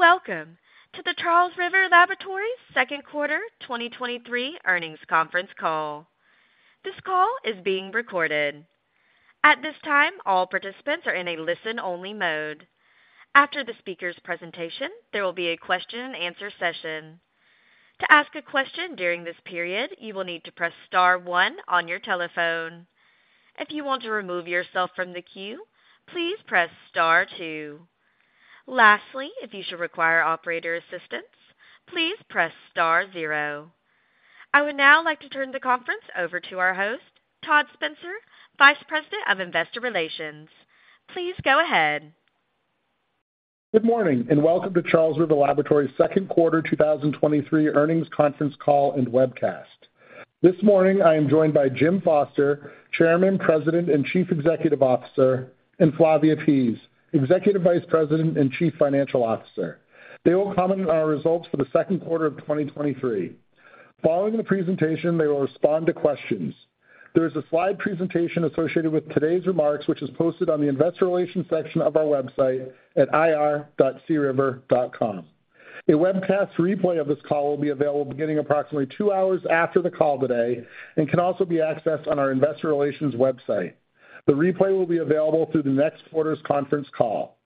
Welcome to the Charles River Laboratories second quarter 2023 earnings conference call. This call is being recorded. At this time, all participants are in a listen-only mode. After the speaker's presentation, there will be a question-and-answer session. To ask a question during this period, you will need to press star 1 on your telephone. If you want to remove yourself from the queue, please press star 2. Lastly, if you should require operator assistance, please press star 0. I would now like to turn the conference over to our host, Todd Spencer, Vice President of Investor Relations. Please go ahead. Good morning, and welcome to Charles River Laboratories' second quarter 2023 earnings conference call and webcast. This morning, I am joined by Jim Foster, Chairman, President, and Chief Executive Officer, and Flavia Pease, Executive Vice President and Chief Financial Officer. They will comment on our results for the second quarter of 2023. Following the presentation, they will respond to questions. There is a slide presentation associated with today's remarks, which is posted on the investor relations section of our website at ir.criver.com. A webcast replay of this call will be available beginning approximately 2 hours after the call today and can also be accessed on our investor relations website. The replay will be available through the next quarter's conference call.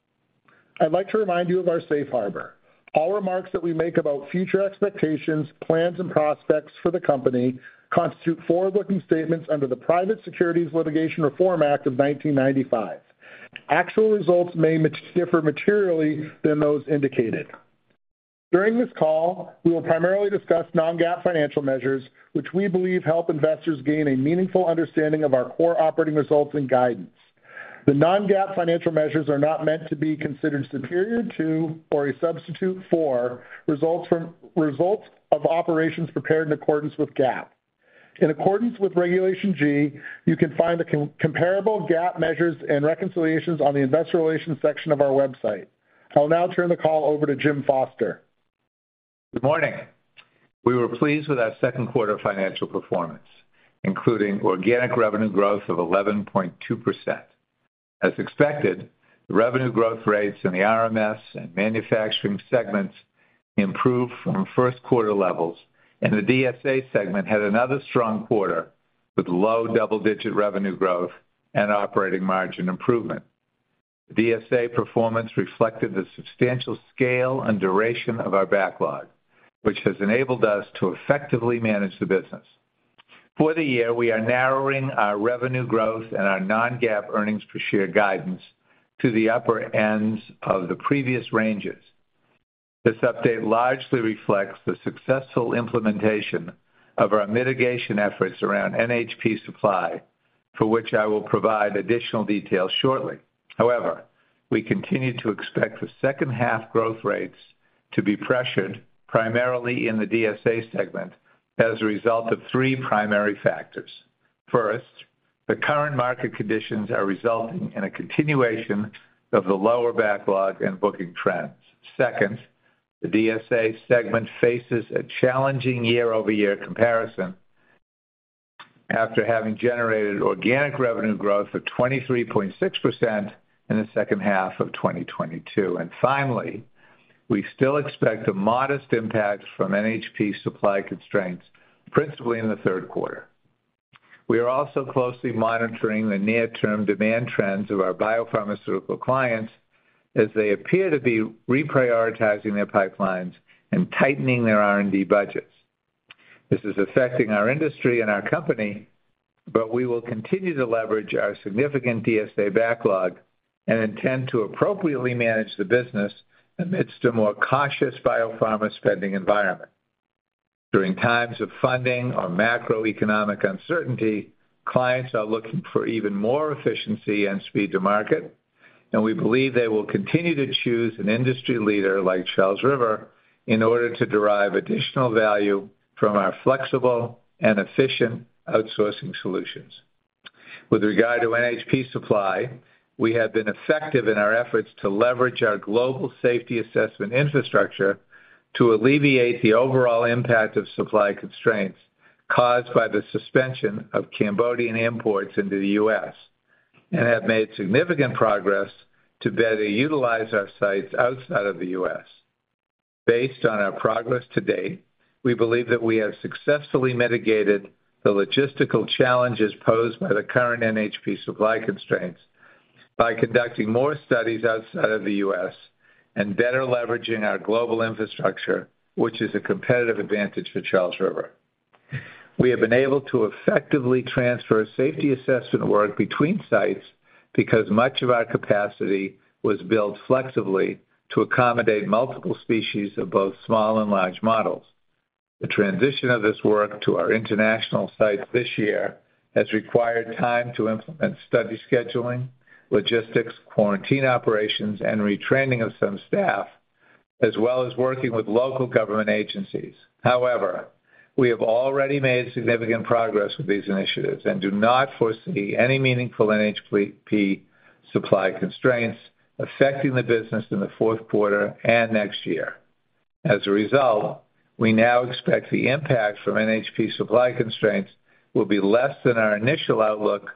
I'd like to remind you of our safe harbor. All remarks that we make about future expectations, plans, and prospects for the company constitute forward-looking statements under the Private Securities Litigation Reform Act of 1995. Actual results may differ materially than those indicated. During this call, we will primarily discuss non-GAAP financial measures, which we believe help investors gain a meaningful understanding of our core operating results and guidance. The non-GAAP financial measures are not meant to be considered superior to or a substitute for results of operations prepared in accordance with GAAP. In accordance with Regulation G, you can find the comparable GAAP measures and reconciliations on the investor relations section of our website. I'll now turn the call over to Jim Foster. Good morning! We were pleased with our second quarter financial performance, including organic revenue growth of 11.2%. As expected, the revenue growth rates in the RMS and manufacturing segments improved from first quarter levels, and the DSA segment had another strong quarter with low double-digit revenue growth and operating margin improvement. The DSA performance reflected the substantial scale and duration of our backlog, which has enabled us to effectively manage the business. For the year, we are narrowing our revenue growth and our non-GAAP earnings per share guidance to the upper ends of the previous ranges. This update largely reflects the successful implementation of our mitigation efforts around NHP supply, for which I will provide additional details shortly. We continue to expect the second half growth rates to be pressured, primarily in the DSA segment, as a result of three primary factors. First, the current market conditions are resulting in a continuation of the lower backlog and booking trends. Second, the DSA segment faces a challenging year-over-year comparison after having generated organic revenue growth of 23.6% in the second half of 2022. Finally, we still expect a modest impact from NHP supply constraints, principally in the third quarter. We are also closely monitoring the near-term demand trends of our biopharmaceutical clients as they appear to be reprioritizing their pipelines and tightening their R&D budgets. This is affecting our industry and our company, but we will continue to leverage our significant DSA backlog and intend to appropriately manage the business amidst a more cautious biopharma spending environment. During times of funding or macroeconomic uncertainty, clients are looking for even more efficiency and speed to market, and we believe they will continue to choose an industry leader like Charles River in order to derive additional value from our flexible and efficient outsourcing solutions. With regard to NHP supply, we have been effective in our efforts to leverage our global Safety Assessment infrastructure to alleviate the overall impact of supply constraints caused by the suspension of Cambodian imports into the U.S. and have made significant progress to better utilize our sites outside of the U.S. Based on our progress to date, we believe that we have successfully mitigated the logistical challenges posed by the current NHP supply constraints by conducting more studies outside of the U.S. and better leveraging our global infrastructure, which is a competitive advantage for Charles River. We have been able to effectively transfer Safety Assessment work between sites because much of our capacity was built flexibly to accommodate multiple species of both small and large models. The transition of this work to our international sites this year has required time to implement study scheduling, logistics, quarantine operations, and retraining of some staff, as well as working with local government agencies. However, we have already made significant progress with these initiatives and do not foresee any meaningful NHP supply constraints affecting the business in the fourth quarter and next year. As a result, we now expect the impact from NHP supply constraints will be less than our initial outlook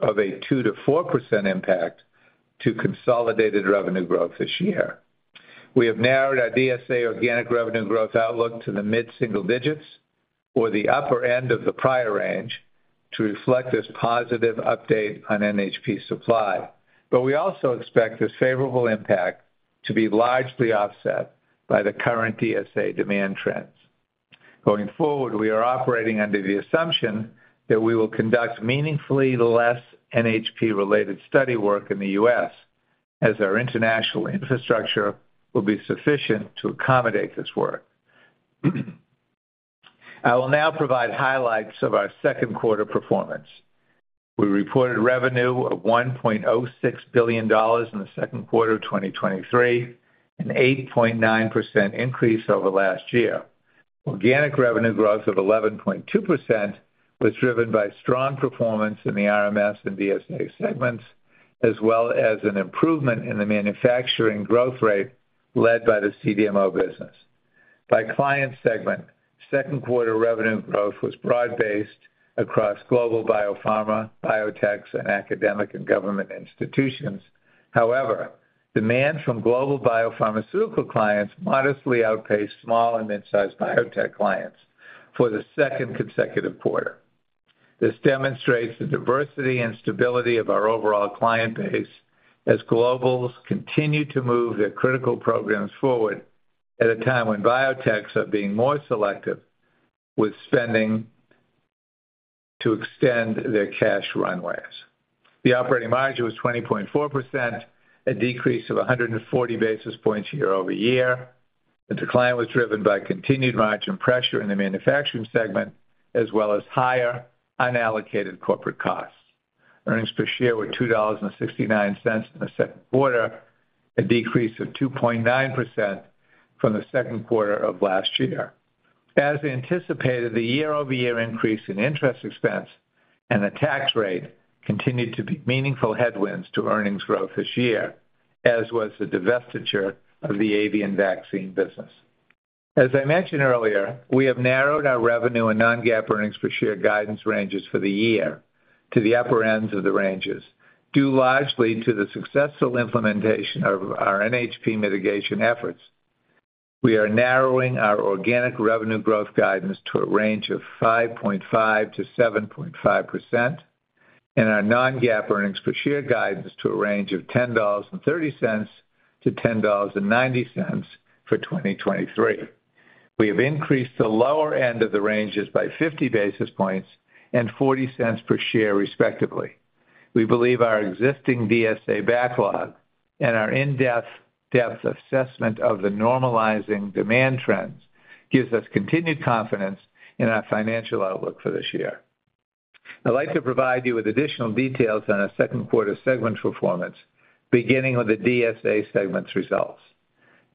of a 2%-4% impact to consolidated revenue growth this year. We have narrowed our DSA organic revenue growth outlook to the mid-single digits or the upper end of the prior range to reflect this positive update on NHP supply. We also expect this favorable impact to be largely offset by the current DSA demand trends. Going forward, we are operating under the assumption that we will conduct meaningfully less NHP-related study work in the U.S., as our international infrastructure will be sufficient to accommodate this work. I will now provide highlights of our second quarter performance. We reported revenue of $1.06 billion in the second quarter of 2023, an 8.9% increase over last year. Organic revenue growth of 11.2% was driven by strong performance in the RMS and DSA segments, as well as an improvement in the manufacturing growth rate led by the CDMO business. By client segment, second quarter revenue growth was broad-based across global biopharma, biotechs, and academic and government institutions. Demand from global biopharmaceutical clients modestly outpaced small and mid-sized biotech clients for the second consecutive quarter. This demonstrates the diversity and stability of our overall client base as globals continue to move their critical programs forward at a time when biotechs are being more selective with spending to extend their cash runways. The operating margin was 20.4%, a decrease of 140 basis points year-over-year. The decline was driven by continued margin pressure in the manufacturing segment, as well as higher unallocated corporate costs. Earnings per share were $2.69 in the second quarter, a decrease of 2.9% from the second quarter of last year. As anticipated, the year-over-year increase in interest expense and the tax rate continued to be meaningful headwinds to earnings growth this year, as was the divestiture of the avian vaccine business. As I mentioned earlier, we have narrowed our revenue and non-GAAP earnings per share guidance ranges for the year to the upper ends of the ranges, due largely to the successful implementation of our NHP mitigation efforts. We are narrowing our organic revenue growth guidance to a range of 5.5%-7.5% and our non-GAAP earnings per share guidance to a range of $10.30-$10.90 for 2023. We have increased the lower end of the ranges by 50 basis points and $0.40 per share, respectively. We believe our existing DSA backlog and our in-depth assessment of the normalizing demand trends gives us continued confidence in our financial outlook for this year. I'd like to provide you with additional details on our second quarter segment performance, beginning with the DSA segment's results.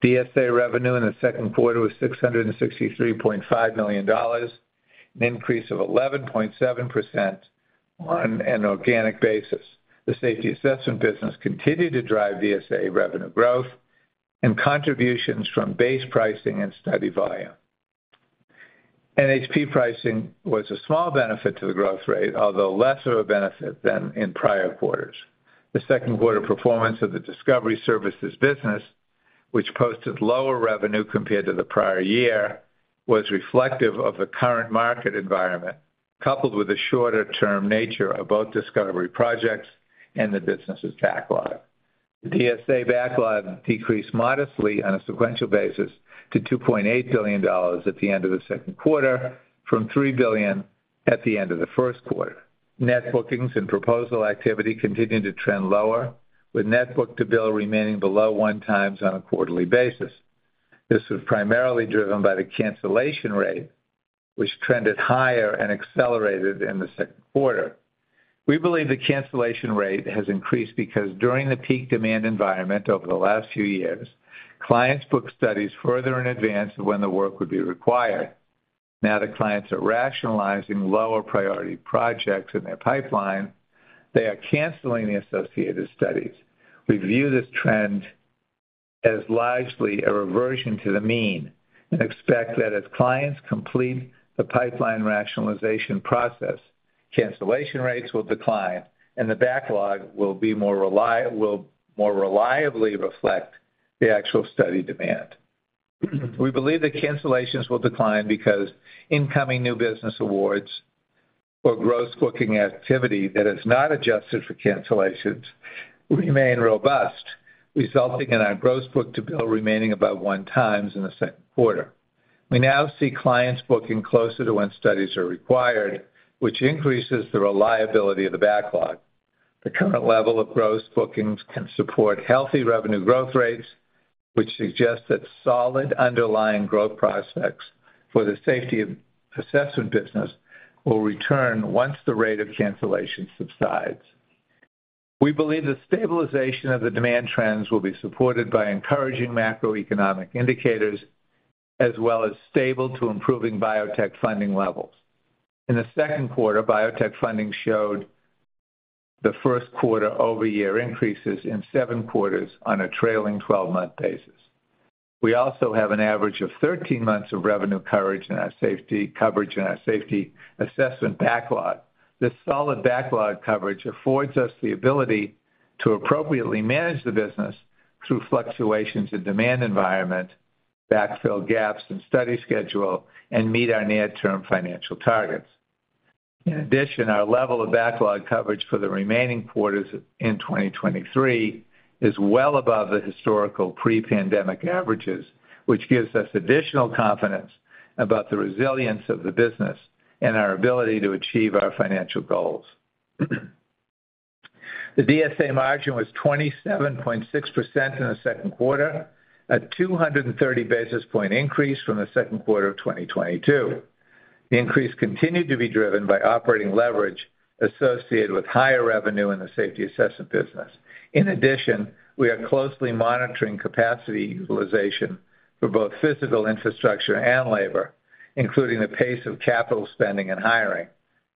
DSA revenue in the second quarter was $663.5 million, an increase of 11.7% on an organic basis. The Safety Assessment business continued to drive DSA revenue growth and contributions from base pricing and study volume. NHP pricing was a small benefit to the growth rate, although less of a benefit than in prior quarters. The second quarter performance of the Discovery Services business, which posted lower revenue compared to the prior year, was reflective of the current market environment, coupled with the shorter-term nature of both Discovery projects and the business's backlog. The DSA backlog decreased modestly on a sequential basis to $2.8 billion at the end of the second quarter from $3 billion at the end of the first quarter. Net bookings and proposal activity continued to trend lower, with net book-to-bill remaining below 1x on a quarterly basis. This was primarily driven by the cancellation rate, which trended higher and accelerated in the second quarter. We believe the cancellation rate has increased because during the peak demand environment over the last few years, clients booked studies further in advance of when the work would be required. Now that clients are rationalizing lower priority projects in their pipeline, they are canceling the associated studies. We view this trend as largely a reversion to the mean and expect that as clients complete the pipeline rationalization process, cancellation rates will decline, and the backlog will more reliably reflect the actual study demand. We believe that cancellations will decline because incoming new business awards or gross booking activity that is not adjusted for cancellations remain robust, resulting in our gross book-to-bill remaining above 1 times in the second quarter. We now see clients booking closer to when studies are required, which increases the reliability of the backlog. The current level of gross bookings can support healthy revenue growth rates, which suggests that solid underlying growth prospects for the Safety Assessment business will return once the rate of cancellation subsides. We believe the stabilization of the demand trends will be supported by encouraging macroeconomic indicators, as well as stable to improving biotech funding levels. In the second quarter, biotech funding showed... the first quarter over year increases in 7 quarters on a trailing twelve-month basis. We also have an average of 13 months of revenue coverage in our Safety Assessment backlog. This solid backlog coverage affords us the ability to appropriately manage the business through fluctuations in demand environment, backfill gaps in study schedule, and meet our near-term financial targets. In addition, our level of backlog coverage for the remaining quarters in 2023 is well above the historical pre-pandemic averages, which gives us additional confidence about the resilience of the business and our ability to achieve our financial goals. The DSA margin was 27.6% in the second quarter, a 230 basis point increase from the second quarter of 2022. The increase continued to be driven by operating leverage associated with higher revenue in the Safety Assessment business. In addition, we are closely monitoring capacity utilization for both physical infrastructure and labor, including the pace of capital spending and hiring,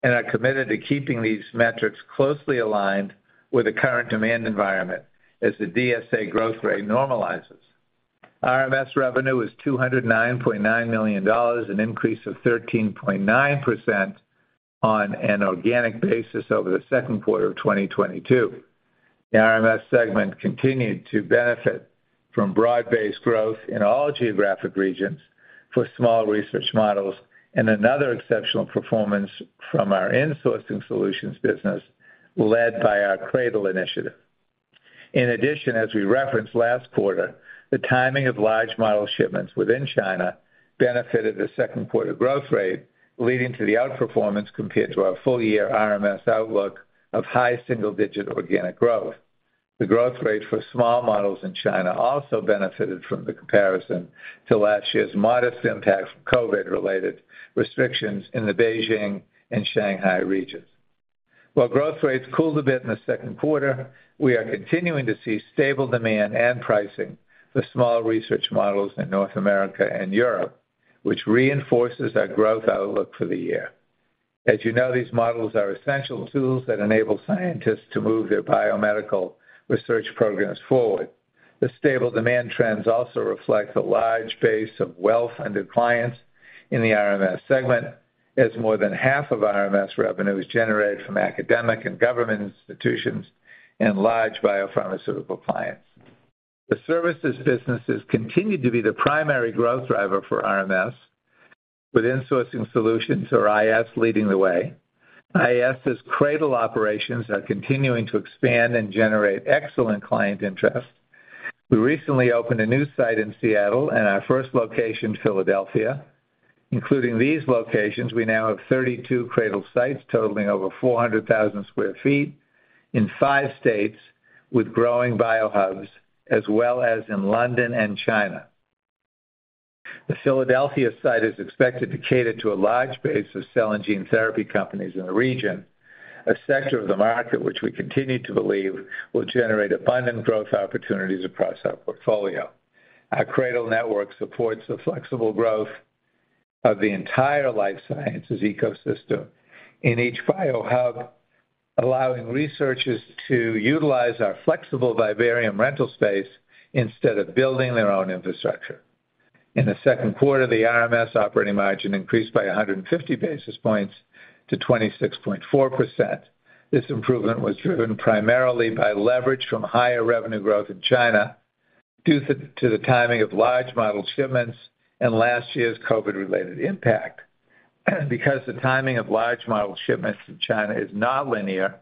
and are committed to keeping these metrics closely aligned with the current demand environment as the DSA growth rate normalizes. RMS revenue was $209.9 million, an increase of 13.9% on an organic basis over the second quarter of 2022. The RMS segment continued to benefit from broad-based growth in all geographic regions for small research models and another exceptional performance from our Insourcing Solutions business, led by our CRADL initiative. In addition, as we referenced last quarter, the timing of large model shipments within China benefited the second quarter growth rate, leading to the outperformance compared to our full-year RMS outlook of high single-digit organic growth. The growth rate for small models in China also benefited from the comparison to last year's modest impact from COVID-related restrictions in the Beijing and Shanghai regions. While growth rates cooled a bit in the second quarter, we are continuing to see stable demand and pricing for small research models in North America and Europe, which reinforces our growth outlook for the year. As you know, these models are essential tools that enable scientists to move their biomedical research programs forward. The stable demand trends also reflect the large base of well-funded clients in the RMS segment, as more than half of RMS revenue is generated from academic and government institutions and large biopharmaceutical clients. The services businesses continue to be the primary growth driver for RMS, with Insourcing Solutions, or IS, leading the way. IS's CRADL operations are continuing to expand and generate excellent client interest. We recently opened a new site in Seattle and our first location in Philadelphia. Including these locations, we now have 32 CRADL sites, totaling over 400,000 sq ft in five states with growing biohubs, as well as in London and China. The Philadelphia site is expected to cater to a large base of cell and gene therapy companies in the region, a sector of the market which we continue to believe will generate abundant growth opportunities across our portfolio. Our CRADL network supports the flexible growth of the entire life sciences ecosystem in each biohub, allowing researchers to utilize our flexible vivarium rental space instead of building their own infrastructure. In the second quarter, the RMS operating margin increased by 150 basis points to 26.4%. This improvement was driven primarily by leverage from higher revenue growth in China, due to the timing of large model shipments and last year's COVID-related impact. Because the timing of large model shipments to China is nonlinear,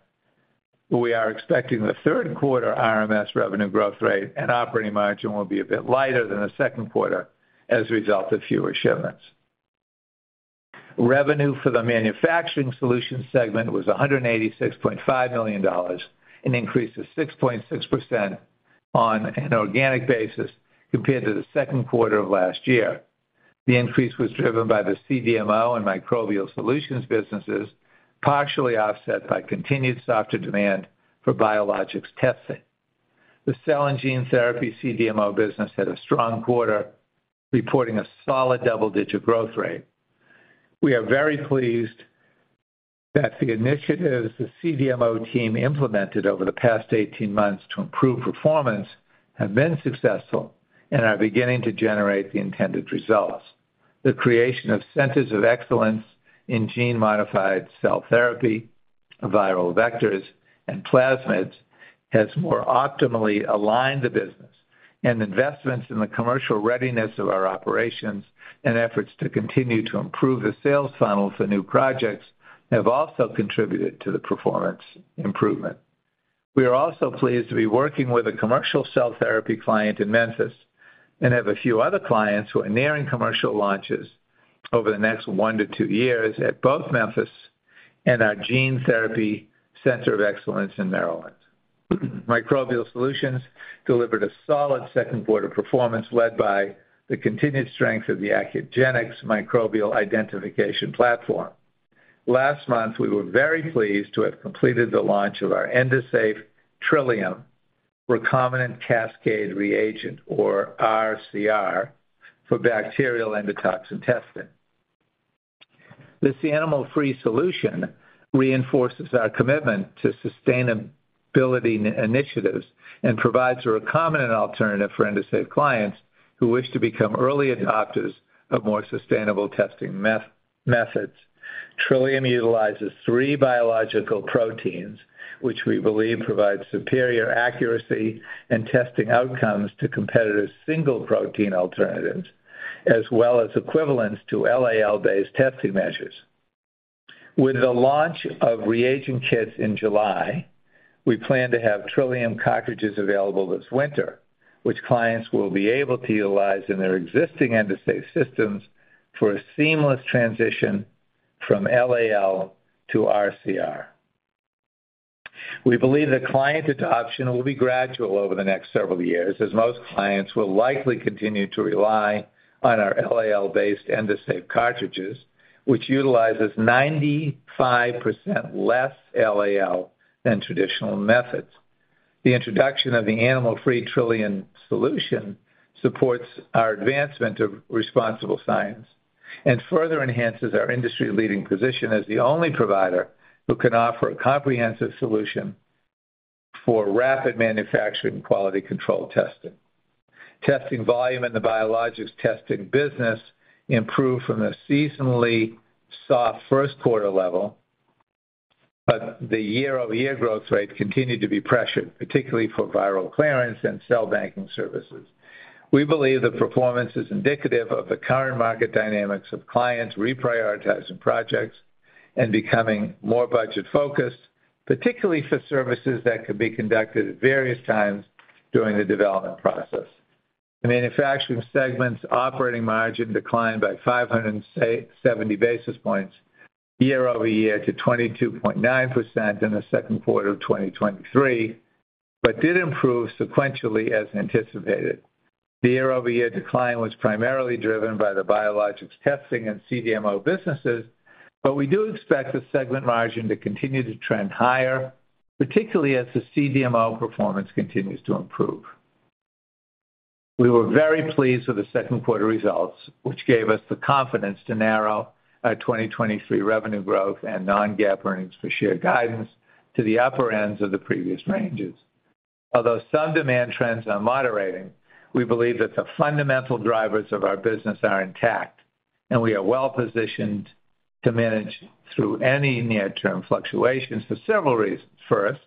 we are expecting the third quarter RMS revenue growth rate and operating margin will be a bit lighter than the second quarter as a result of fewer shipments. Revenue for the manufacturing solutions segment was $186.5 million, an increase of 6.6% on an organic basis compared to the second quarter of last year. The increase was driven by the CDMO and Microbial Solutions businesses, partially offset by continued softer demand for biologics testing. The cell and gene therapy CDMO business had a strong quarter, reporting a solid double-digit growth rate. We are very pleased that the initiatives the CDMO team implemented over the past 18 months to improve performance have been successful and are beginning to generate the intended results. The creation of Centers of Excellence in gene-modified cell therapy, viral vectors, and plasmids has more optimally aligned the business. Investments in the commercial readiness of our operations and efforts to continue to improve the sales funnel for new projects have also contributed to the performance improvement. We are also pleased to be working with a commercial cell therapy client in Memphis and have a few other clients who are nearing commercial launches over the next 1 to 2 years at both Memphis and our Gene Therapy Center of Excellence in Maryland. Microbial Solutions delivered a solid second quarter performance, led by the continued strength of the Accugenix microbial identification platform. Last month, we were very pleased to have completed the launch of our Endosafe Trillium recombinant cascade reagent, or RCR, for bacterial endotoxin testing. This animal-free solution reinforces our commitment to sustainability initiatives and provides a recombinant alternative for Endosafe clients who wish to become early adopters of more sustainable testing methods. Trillium utilizes 3 biological proteins, which we believe provide superior accuracy and testing outcomes to competitive single-protein alternatives, as well as equivalents to LAL-based testing measures. With the launch of reagent kits in July, we plan to have Trillium cartridges available this winter, which clients will be able to utilize in their existing Endosafe systems for a seamless transition from LAL to RCR. We believe that client adoption will be gradual over the next several years, as most clients will likely continue to rely on our LAL-based Endosafe cartridges, which utilizes 95% less LAL than traditional methods. The introduction of the animal-free Trillium solution supports our advancement of responsible science and further enhances our industry-leading position as the only provider who can offer a comprehensive solution for rapid manufacturing, quality control testing. The year-over-year growth rate continued to be pressured, particularly for viral clearance and cell banking services. We believe the performance is indicative of the current market dynamics of clients reprioritizing projects and becoming more budget-focused, particularly for services that could be conducted at various times during the development process. The manufacturing segment's operating margin declined by 570 basis points year-over-year to 22.9% in the second quarter of 2023, did improve sequentially as anticipated. The year-over-year decline was primarily driven by the biologics testing and CDMO businesses, we do expect the segment margin to continue to trend higher, particularly as the CDMO performance continues to improve. We were very pleased with the second quarter results, which gave us the confidence to narrow our 2023 revenue growth and non-GAAP earnings per share guidance to the upper ends of the previous ranges. Although some demand trends are moderating, we believe that the fundamental drivers of our business are intact, and we are well-positioned to manage through any near-term fluctuations for several reasons. First,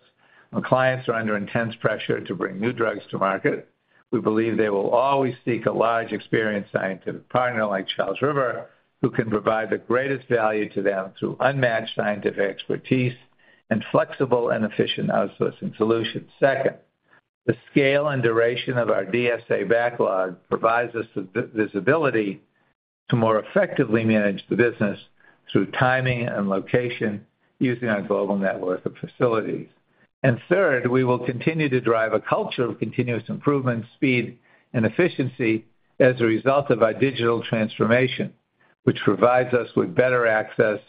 when clients are under intense pressure to bring new drugs to market, we believe they will always seek a large, experienced scientific partner like Charles River, who can provide the greatest value to them through unmatched scientific expertise and flexible and efficient outsourcing solutions. Second, the scale and duration of our DSA backlog provides us with visibility to more effectively manage the business through timing and location, using our global network of facilities. Third, we will continue to drive a culture of continuous improvement, speed, and efficiency as a result of our digital transformation, which provides us with better access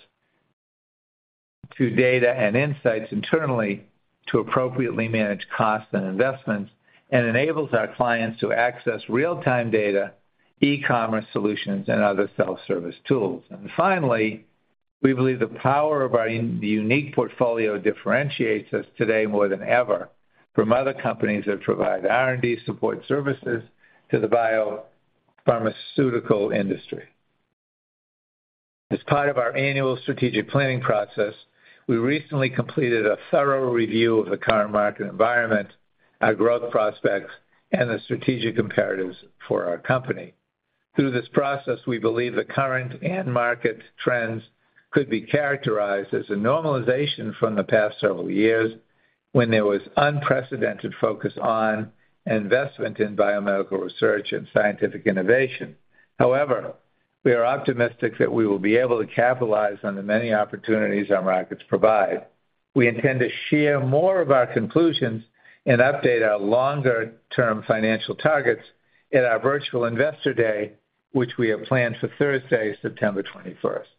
to data and insights internally to appropriately manage costs and investments, and enables our clients to access real-time data, e-commerce solutions, and other self-service tools. Finally, we believe the power of our unique portfolio differentiates us today more than ever from other companies that provide R&D support services to the biopharmaceutical industry. As part of our annual strategic planning process, we recently completed a thorough review of the current market environment, our growth prospects, and the strategic imperatives for our company. Through this process, we believe the current end market trends could be characterized as a normalization from the past several years, when there was unprecedented focus on investment in biomedical research and scientific innovation. However, we are optimistic that we will be able to capitalize on the many opportunities our markets provide. We intend to share more of our conclusions and update our longer-term financial targets at our Virtual Investor Day, which we have planned for Thursday, September twenty-first.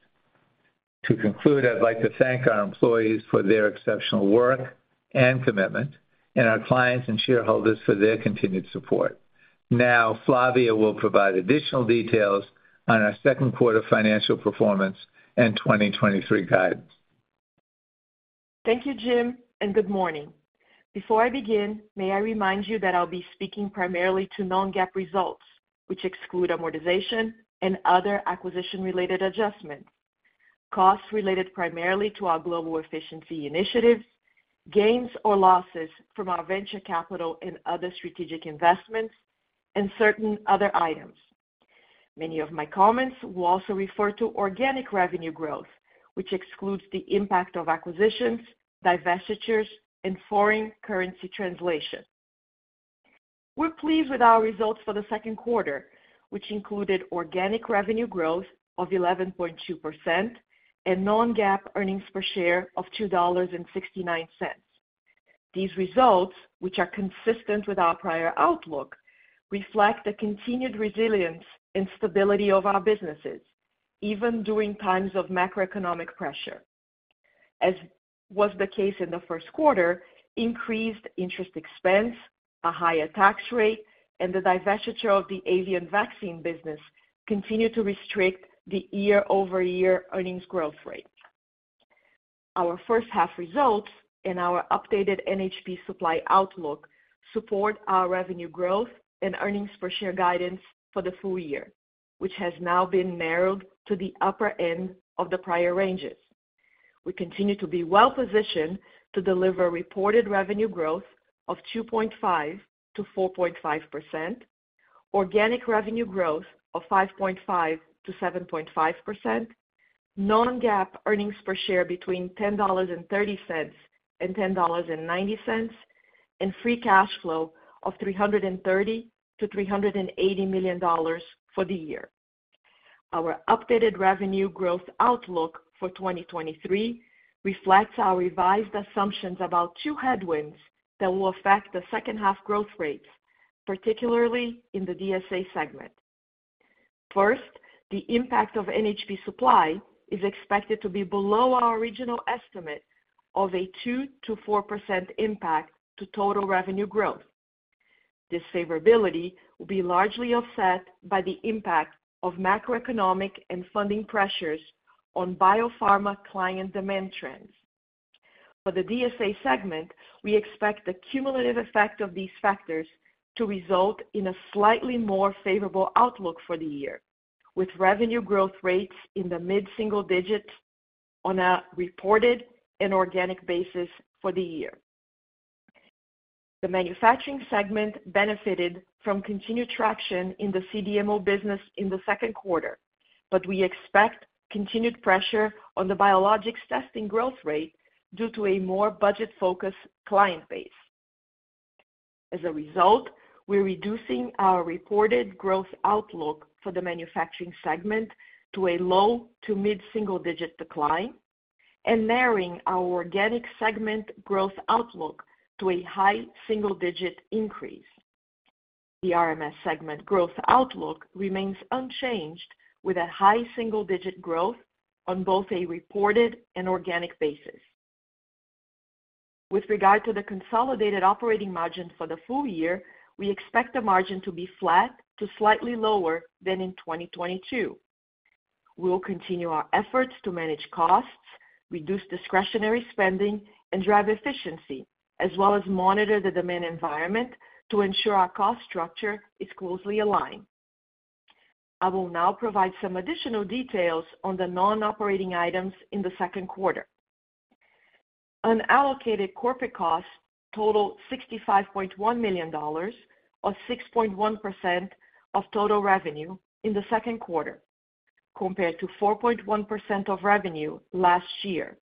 To conclude, I'd like to thank our employees for their exceptional work and commitment, and our clients and shareholders for their continued support. Now, Flavia will provide additional details on our second quarter financial performance and 2023 guidance. Thank you, Jim. Good morning. Before I begin, may I remind you that I'll be speaking primarily to non-GAAP results, which exclude amortization and other acquisition-related adjustments, costs related primarily to our global efficiency initiatives, gains or losses from our venture capital and other strategic investments, and certain other items. Many of my comments will also refer to organic revenue growth, which excludes the impact of acquisitions, divestitures, and foreign currency translation. We're pleased with our results for the second quarter, which included organic revenue growth of 11.2% and non-GAAP earnings per share of $2.69. These results, which are consistent with our prior outlook, reflect the continued resilience and stability of our businesses, even during times of macroeconomic pressure. as was the case in the first quarter, increased interest expense, a higher tax rate, and the divestiture of the avian vaccine business continued to restrict the year-over-year earnings growth rate. Our first half results and our updated NHP supply outlook support our revenue growth and earnings per share guidance for the full year, which has now been narrowed to the upper end of the prior ranges. We continue to be well-positioned to deliver reported revenue growth of 2.5%-4.5%, organic revenue growth of 5.5%-7.5%, non-GAAP earnings per share between $10.30 and $10.90, and free cash flow of $330 million-$380 million for the year. Our updated revenue growth outlook for 2023 reflects our revised assumptions about two headwinds that will affect the second half growth rates, particularly in the DSA segment. First, the impact of NHP supply is expected to be below our original estimate of a 2%-4% impact to total revenue growth. This favorability will be largely offset by the impact of macroeconomic and funding pressures on biopharma client demand trends. For the DSA segment, we expect the cumulative effect of these factors to result in a slightly more favorable outlook for the year, with revenue growth rates in the mid-single digits on a reported and organic basis for the year. The manufacturing segment benefited from continued traction in the CDMO business in the second quarter. We expect continued pressure on the biologics testing growth rate due to a more budget-focused client base. As a result, we're reducing our reported growth outlook for the manufacturing segment to a low- to mid-single-digit decline and narrowing our organic segment growth outlook to a high single-digit increase. The RMS segment growth outlook remains unchanged, with a high single-digit growth on both a reported and organic basis. With regard to the consolidated operating margin for the full year, we expect the margin to be flat to slightly lower than in 2022. We will continue our efforts to manage costs, reduce discretionary spending, and drive efficiency, as well as monitor the demand environment to ensure our cost structure is closely aligned. I will now provide some additional details on the non-operating items in the second quarter. Unallocated corporate costs totaled $65.1 million, or 6.1% of total revenue in the second quarter, compared to 4.1% of revenue last year.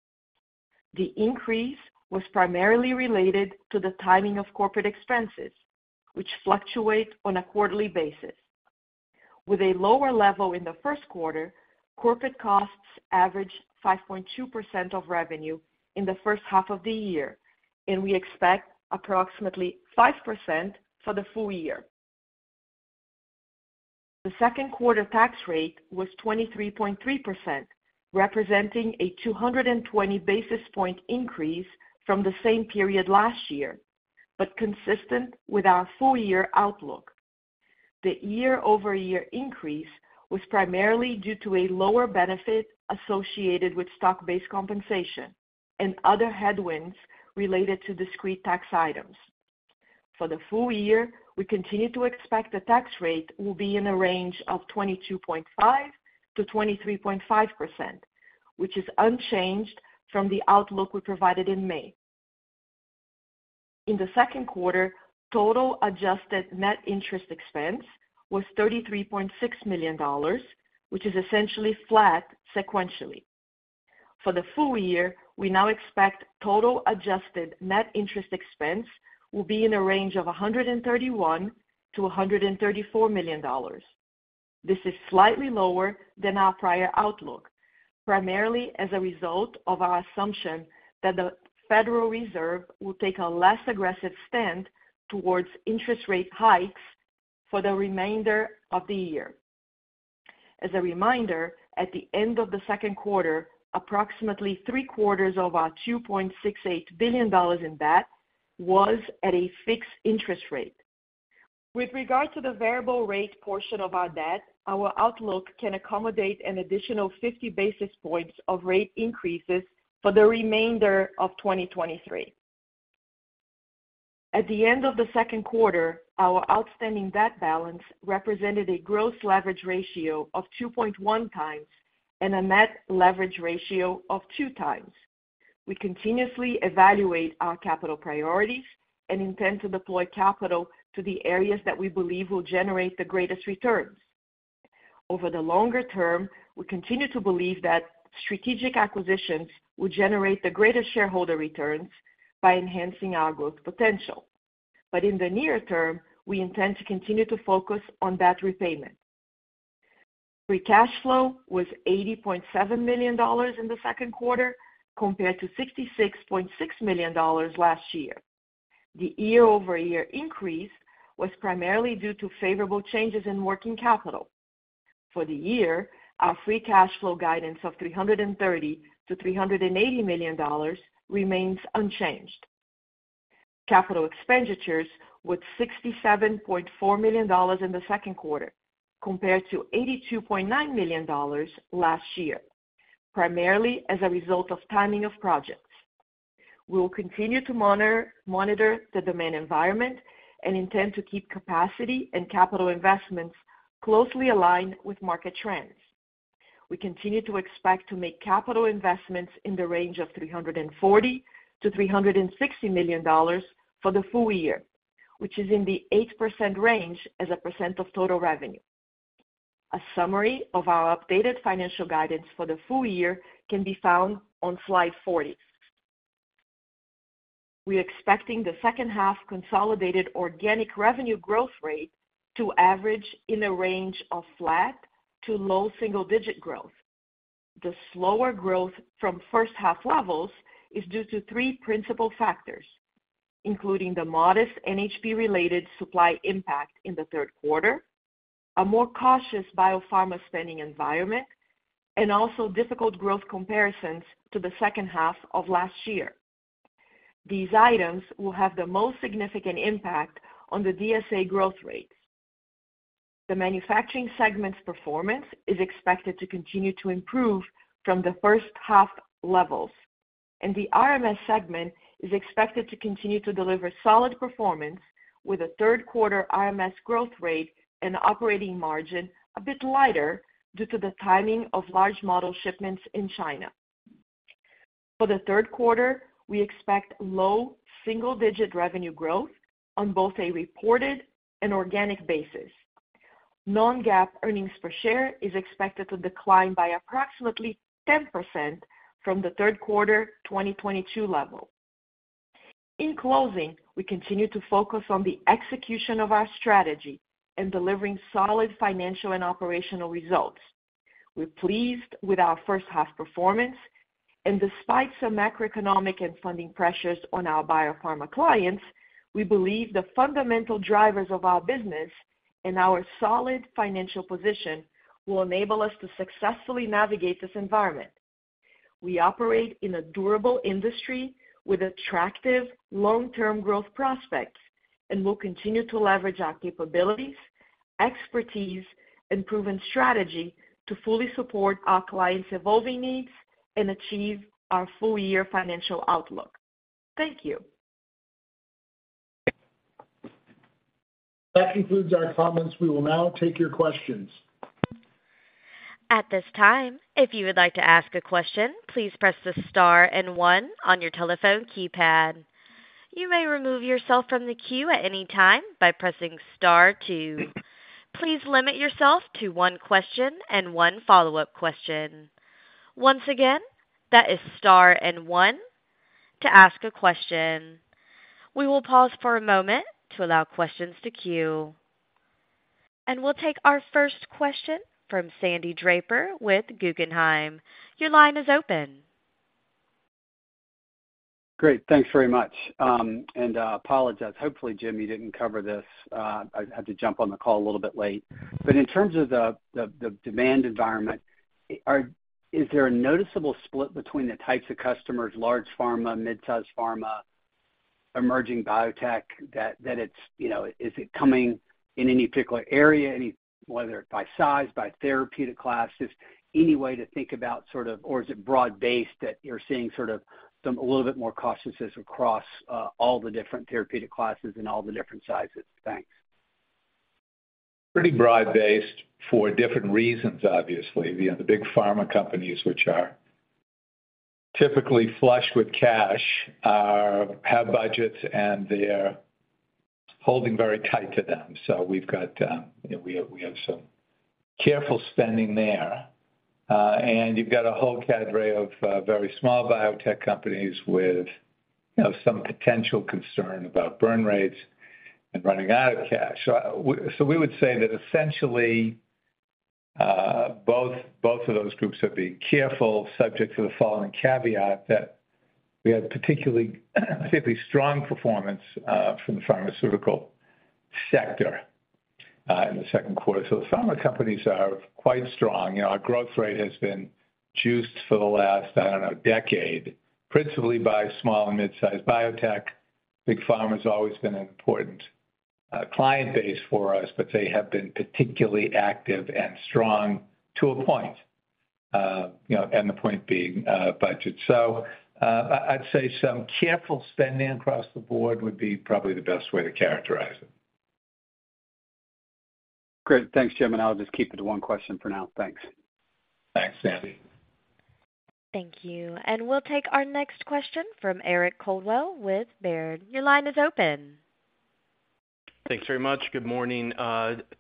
The increase was primarily related to the timing of corporate expenses, which fluctuate on a quarterly basis. With a lower level in the first quarter, corporate costs averaged 5.2% of revenue in the first half of the year, and we expect approximately 5% for the full year. The second quarter tax rate was 23.3%, representing a 220 basis point increase from the same period last year, but consistent with our full-year outlook. The year-over-year increase was primarily due to a lower benefit associated with stock-based compensation and other headwinds related to discrete tax items. For the full year, we continue to expect the tax rate will be in a range of 22.5%-23.5%, which is unchanged from the outlook we provided in May. In the second quarter, total adjusted net interest expense was $33.6 million, which is essentially flat sequentially. For the full year, we now expect total adjusted net interest expense will be in a range of $131 million-$134 million. This is slightly lower than our prior outlook, primarily as a result of our assumption that the Federal Reserve will take a less aggressive stand towards interest rate hikes for the remainder of the year. As a reminder, at the end of the second quarter, approximately 3/4 of our $2.68 billion in debt was at a fixed interest rate. With regard to the variable rate portion of our debt, our outlook can accommodate an additional 50 basis points of rate increases for the remainder of 2023. At the end of the second quarter, our outstanding debt balance represented a gross leverage ratio of 2.1 times and a net leverage ratio of 2 times. We continuously evaluate our capital priorities and intend to deploy capital to the areas that we believe will generate the greatest returns. Over the longer term, we continue to believe that strategic acquisitions will generate the greatest shareholder returns by enhancing our growth potential. In the near term, we intend to continue to focus on debt repayment. Free cash flow was $80.7 million in the second quarter, compared to $66.6 million last year. The year-over-year increase was primarily due to favorable changes in working capital....For the year, our free cash flow guidance of $330 million-$380 million remains unchanged. Capital expenditures was $67.4 million in the second quarter, compared to $82.9 million last year, primarily as a result of timing of projects. We will continue to monitor the demand environment and intend to keep capacity and capital investments closely aligned with market trends. We continue to expect to make capital investments in the range of $340 million-$360 million for the full year, which is in the 8% range as a percent of total revenue. A summary of our updated financial guidance for the full year can be found on slide 40. We're expecting the second half consolidated organic revenue growth rate to average in a range of flat to low single-digit growth. The slower growth from first half levels is due to 3 principal factors, including the modest NHP-related supply impact in the third quarter, a more cautious biopharma spending environment, and also difficult growth comparisons to the second half of last year. These items will have the most significant impact on the DSA growth rate. The manufacturing segment's performance is expected to continue to improve from the first half levels, and the RMS segment is expected to continue to deliver solid performance, with a third quarter RMS growth rate and operating margin a bit lighter due to the timing of large model shipments in China. For the third quarter, we expect low single-digit revenue growth on both a reported and organic basis. Non-GAAP earnings per share is expected to decline by approximately 10% from the third quarter 2022 level. In closing, we continue to focus on the execution of our strategy and delivering solid financial and operational results. We're pleased with our first half performance, and despite some macroeconomic and funding pressures on our biopharma clients, we believe the fundamental drivers of our business and our solid financial position will enable us to successfully navigate this environment. We operate in a durable industry with attractive long-term growth prospects, and we'll continue to leverage our capabilities, expertise, and proven strategy to fully support our clients' evolving needs and achieve our full-year financial outlook. Thank you. That concludes our comments. We will now take your questions. At this time, if you would like to ask a question, please press the star and one on your telephone keypad. You may remove yourself from the queue at any time by pressing star two. Please limit yourself to one question and one follow-up question. Once again, that is star and one to ask a question. We will pause for a moment to allow questions to queue. We'll take our first question from Sandy Draper with Guggenheim. Your line is open. Great, thanks very much. I apologize. Hopefully, Jim, you didn't cover this. I had to jump on the call a little bit late. In terms of the, the, the demand environment, is there a noticeable split between the types of customers, large pharma, midsize pharma, emerging biotech, that, that it's, you know, is it coming in any particular area, any, whether it's by size, by therapeutic class? Just any way to think about or is it broad-based, that you're seeing sort of some, a little bit more cautiousness across all the different therapeutic classes and all the different sizes? Thanks. Pretty broad-based for different reasons, obviously. The big pharma companies, which are typically flush with cash, are, have budgets, and they're holding very tight to them. We've got, we, we have some careful spending there. You've got a whole cadre of very small biotech companies with, you know, some potential concern about burn rates and running out of cash. We would say that essentially, both, both of those groups are being careful, subject to the following caveat, that we had particularly, particularly strong performance from the pharmaceutical sector in the second quarter. The pharma companies are quite strong. You know, our growth rate has been juiced for the last, I don't know, decade, principally by small and mid-sized biotech. Big Pharma has always been an important client base for us, but they have been particularly active and strong to a point, you know, and the point being, budget. I'd say some careful spending across the board would be probably the best way to characterize it. Great. Thanks, Jim, and I'll just keep it to one question for now. Thanks. Thanks, Sandy. Thank you. We'll take our next question from Eric Coldwell with Baird. Your line is open. Thanks very much. Good morning.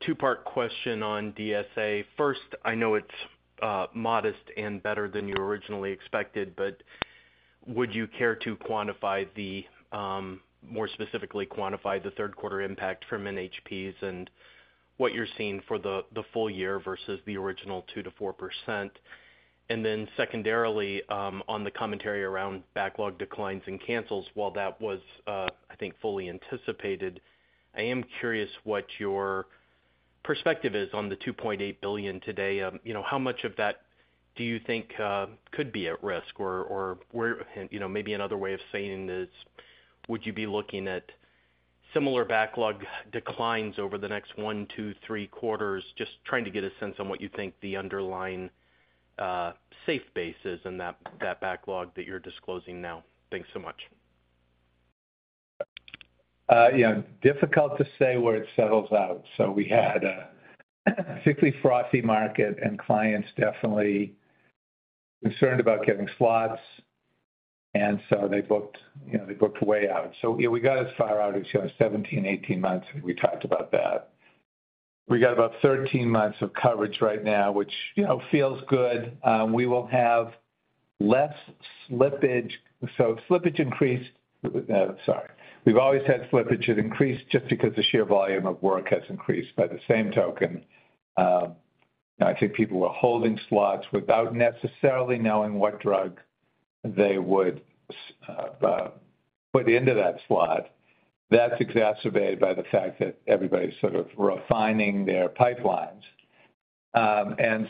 Two-part question on DSA. First, I know it's modest and better than you originally expected, but would you care to quantify more specifically, quantify the third quarter impact from NHPs and what you're seeing for the full year versus the original 2%-4%? Secondarily, on the commentary around backlog declines and cancels, while that was I think, fully anticipated, I am curious what your perspective is on the $2.8 billion today. You know, how much of that do you think could be at risk or where, you know, maybe another way of saying this, would you be looking at similar backlog declines over the next one, two, three quarters? Just trying to get a sense on what you think the underlying safe base is in that, that backlog that you're disclosing now. Thanks so much. Yeah, difficult to say where it settles out. We had a particularly frothy market, and clients definitely concerned about getting slots, and so they booked, you know, they booked way out. Yeah, we got as far out as, you know, 17, 18 months, we talked about that. We got about 13 months of coverage right now, which, you know, feels good. We will have less slippage. Slippage increased- sorry. We've always had slippage. It increased just because the sheer volume of work has increased. By the same token, I think people were holding slots without necessarily knowing what drug they would put into that slot. That's exacerbated by the fact that everybody's sort of refining their pipelines. As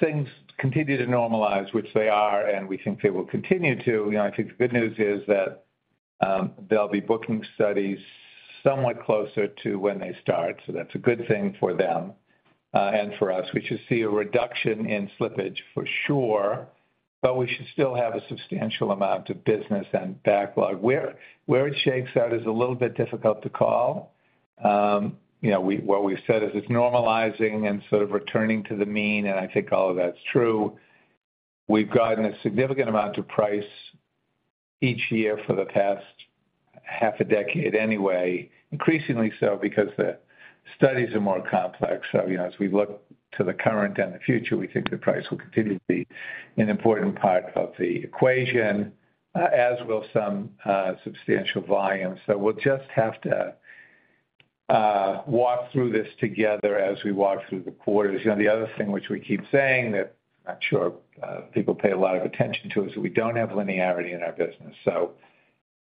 things continue to normalize, which they are, and we think they will continue to, you know, I think the good news is that they'll be booking studies somewhat closer to when they start, so that's a good thing for them and for us. We should see a reduction in slippage for sure, but we should still have a substantial amount of business and backlog. Where it shakes out is a little bit difficult to call. It's normalizing and sort of returning to the mean, and I think all of that's true. We've gotten a significant amount to price each year for the past half a decade anyway, increasingly so because the studies are more complex. You know, as we look to the current and the future, we think the price will continue to be an important part of the equation, as will some substantial volume. We'll just have to walk through this together as we walk through the quarters. You know, the other thing which we keep saying that I'm not sure people pay a lot of attention to, is that we don't have linearity in our business.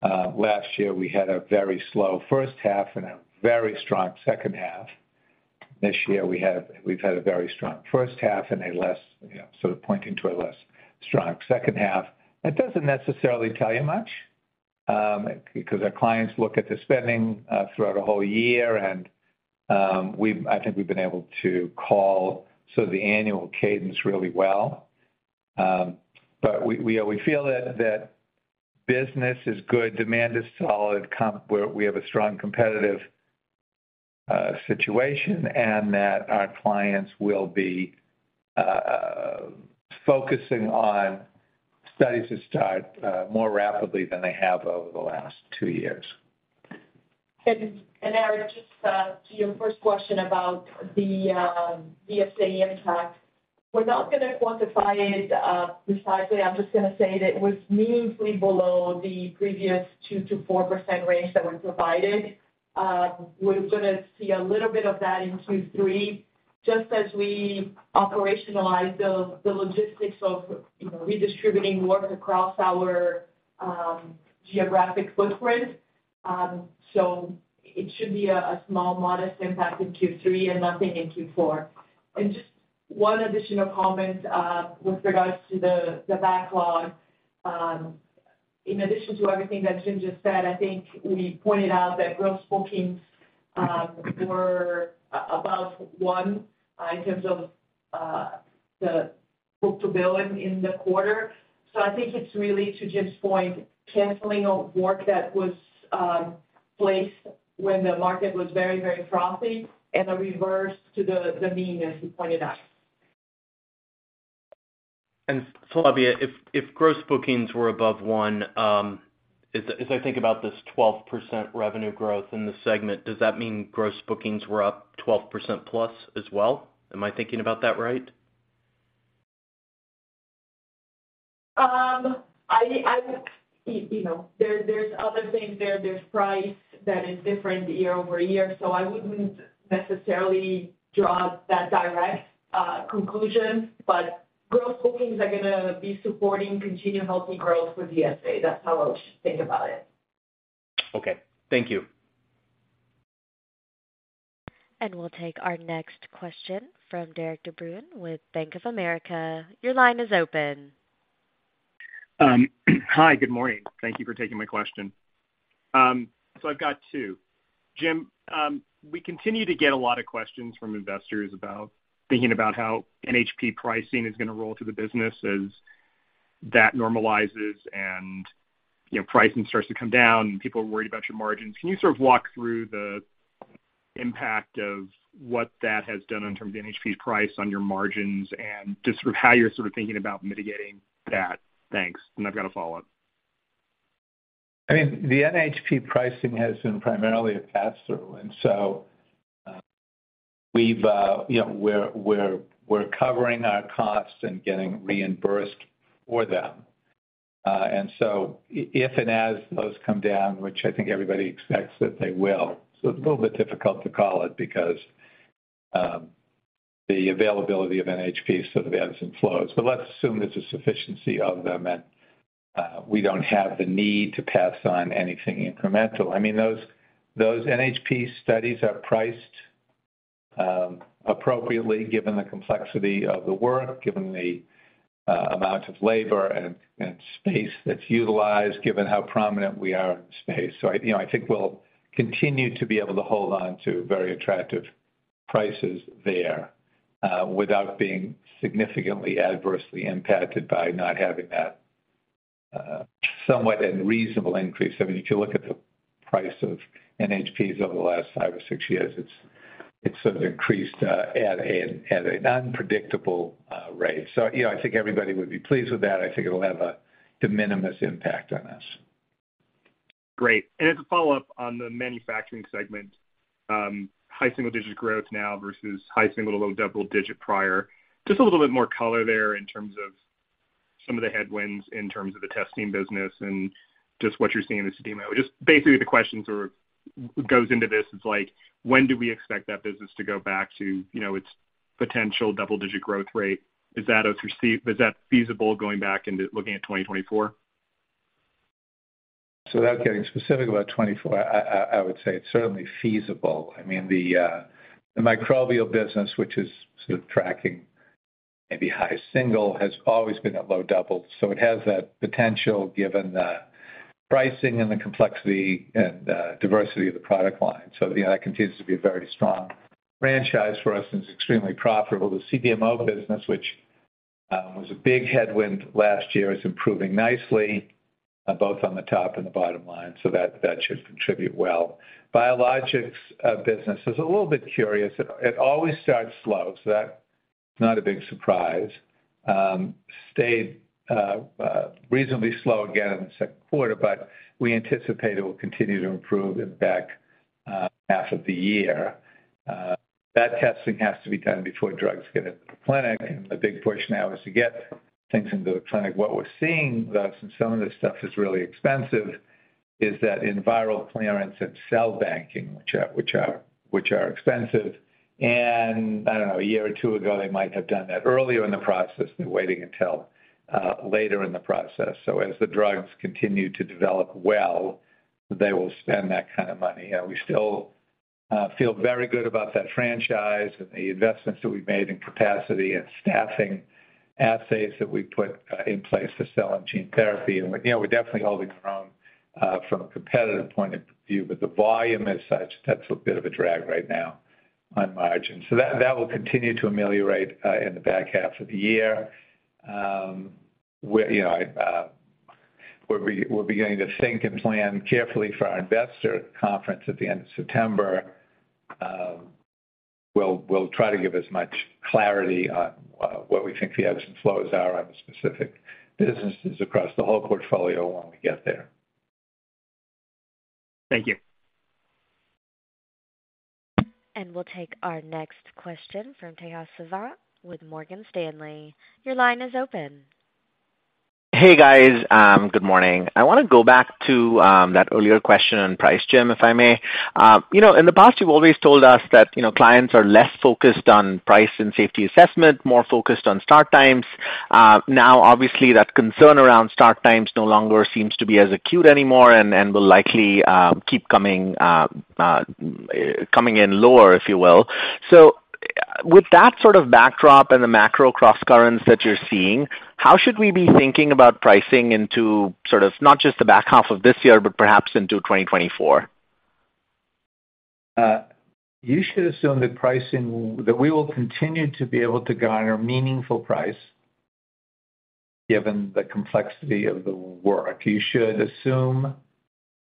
Last year, we had a very slow first half and a very strong second half. This year, we've had a very strong first half and a less, you know, sort of pointing to a less strong second half. That doesn't necessarily tell you much, because our clients look at the spending throughout a whole year, and I think we've been able to call sort of the annual cadence really well. We, we, we feel that, that business is good, demand is solid, We have a strong competitive situation and that our clients will be focusing on studies that start more rapidly than they have over the last two years. Eric, just to your first question about the DSA impact, we're not gonna quantify it precisely. I'm just gonna say that it was meaningfully below the previous 2%-4% range that were provided. We're gonna see a little bit of that in Q3, just as we operationalize the logistics of, you know, redistributing work across our geographic footprint. So it should be a small, modest impact in Q3 and nothing in Q4. Just one additional comment with regards to the backlog. In addition to everything that Jim just said, I think we pointed out that gross bookings were above 1 in terms of the book-to-bill in the quarter. I think it's really, to Jim's point, canceling of work that was placed when the market was very, very frothy and a reverse to the, the mean, as he pointed out. Flavia, if, if gross bookings were above 1, as, as I think about this 12% revenue growth in the segment, does that mean gross bookings were up 12% plus as well? Am I thinking about that right? I, I, you know, there, there's other things there. There's price that is different year-over-year, so I wouldn't necessarily draw that direct conclusion. Gross bookings are gonna be supporting continued healthy growth with DSA. That's how I would think about it. Okay, thank you. We'll take our next question from Derik de Bruin with Bank of America. Your line is open. Hi, good morning. Thank you for taking my question. I've got two. Jim, we continue to get a lot of questions from investors about thinking about how NHP pricing is gonna roll through the business as that normalizes and, you know, pricing starts to come down, and people are worried about your margins. Can you sort of walk through the impact of what that has done in terms of NHP's price on your margins and just sort of how you're sort of thinking about mitigating that? Thanks. I've got a follow-up. I mean, the NHP pricing has been primarily a pass-through, and so we've, you know, we're, we're, we're covering our costs and getting reimbursed for them. If and as those come down, which I think everybody expects that they will, so it's a little bit difficult to call it because the availability of NHPs sort of ebbs and flows. Let's assume there's a sufficiency of them, and we don't have the need to pass on anything incremental. I mean, those, those NHP studies are priced appropriately, given the complexity of the work, given the amount of labor and space that's utilized, given how prominent we are in space. I, you know, I think we'll continue to be able to hold on to very attractive prices there, without being significantly adversely impacted by not having that, somewhat unreasonable increase. I mean, if you look at the price of NHPs over the last five or six years, it's, it's sort of increased, at a, at an unpredictable, rate. You know, I think everybody would be pleased with that. I think it'll have a de minimis impact on us. Great. As a follow-up on the manufacturing segment, high single-digit growth now versus high single to low double digit prior. Just a little bit more color there in terms of some of the headwinds in terms of the testing business and just what you're seeing in the CDMO. Just basically, the question sort of goes into this is, like, when do we expect that business to go back to, you know, its potential double-digit growth rate? Is that feasible going back into looking at 2024? Without getting specific about 2024, I would say it's certainly feasible. I mean, the Microbial business, which is sort of tracking maybe high single, has always been at low double. It has that potential given the pricing and the complexity and diversity of the product line. You know, that continues to be a very strong franchise for us and is extremely profitable. The CDMO business, which was a big headwind last year, is improving nicely, both on the top and the bottom line, so that should contribute well. Biologics business is a little bit curious. It always starts slow, so that's not a big surprise. Stayed reasonably slow again in the second quarter, but we anticipate it will continue to improve in the back half of the year. That testing has to be done before drugs get into the clinic, and the big push now is to get things into the clinic. What we're seeing, though, since some of this stuff is really expensive, is that in viral clearance and cell banking, which are, which are, which are expensive, and I don't know, a year or two ago, they might have done that earlier in the process, they're waiting until later in the process. As the drugs continue to develop well, they will spend that kind of money. We still feel very good about that franchise and the investments that we've made in capacity and staffing, assays that we've put in place for cell and gene therapy. You know, we're definitely holding our own, from a competitive point of view, but the volume as such, that's a bit of a drag right now on margins. That, that will continue to ameliorate, in the back half of the year. We, you know, we're beginning to think and plan carefully for our investor conference at the end of September. We'll, we'll try to give as much clarity on, what we think the ebbs and flows are on the specific businesses across the whole portfolio when we get there. Thank you. We'll take our next question from Tejas Savant with Morgan Stanley. Your line is open. Hey, guys, good morning. I want to go back to that earlier question on price, Jim, if I may. You know, in the past, you've always told us that, you know, clients are less focused on price and Safety Assessment, more focused on start times. Now, obviously, that concern around start times no longer seems to be as acute anymore and, and will likely keep coming in lower, if you will. With that sort of backdrop and the macro crosscurrents that you're seeing, how should we be thinking about pricing into sort of not just the back half of this year, but perhaps into 2024? You should assume that pricing, that we will continue to be able to garner meaningful price, given the complexity of the work. You should assume,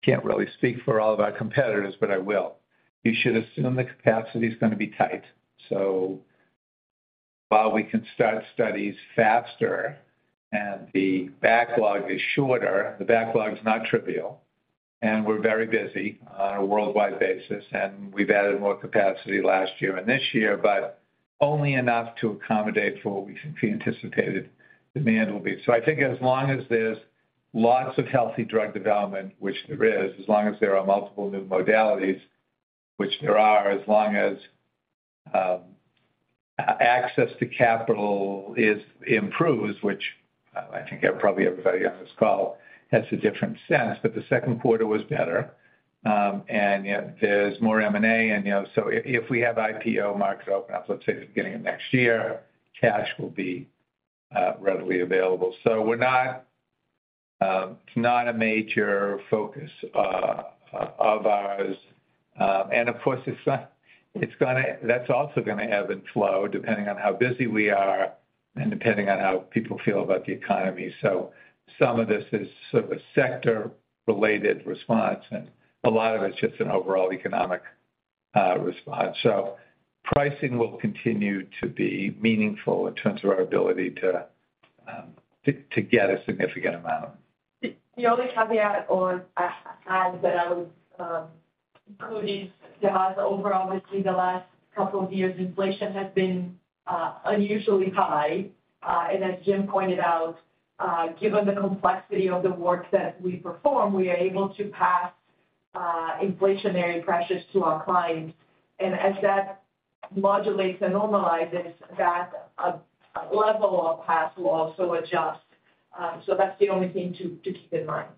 can't really speak for all of our competitors, but I will. You should assume the capacity is going to be tight. While we can start studies faster and the backlog is shorter, the backlog is not trivial, and we're very busy on a worldwide basis, and we've added more capacity last year and this year, but only enough to accommodate for what we anticipated demand will be. I think as long as there's lots of healthy drug development, which there is, as long as there are multiple new modalities, which there are, as long as access to capital is, improves, which I think probably everybody on this call has a different sense, but the second quarter was better. You know, there's more M&A, and, you know, if we have IPO markets open up, let's say, at the beginning of next year, cash will be readily available. We're not, it's not a major focus of ours. Of course, that's also gonna ebb and flow, depending on how busy we are and depending on how people feel about the economy. Some of this is sort of a sector-related response, and a lot of it's just an overall economic response. Pricing will continue to be meaningful in terms of our ability to, to get a significant amount. The, the only caveat on add that I would... including to have overall, obviously, the last couple of years, inflation has been unusually high. As Jim pointed out, given the complexity of the work that we perform, we are able to pass inflationary pressures to our clients. As that modulates and normalizes, that level of pass will also adjust. That's the only thing to keep in mind.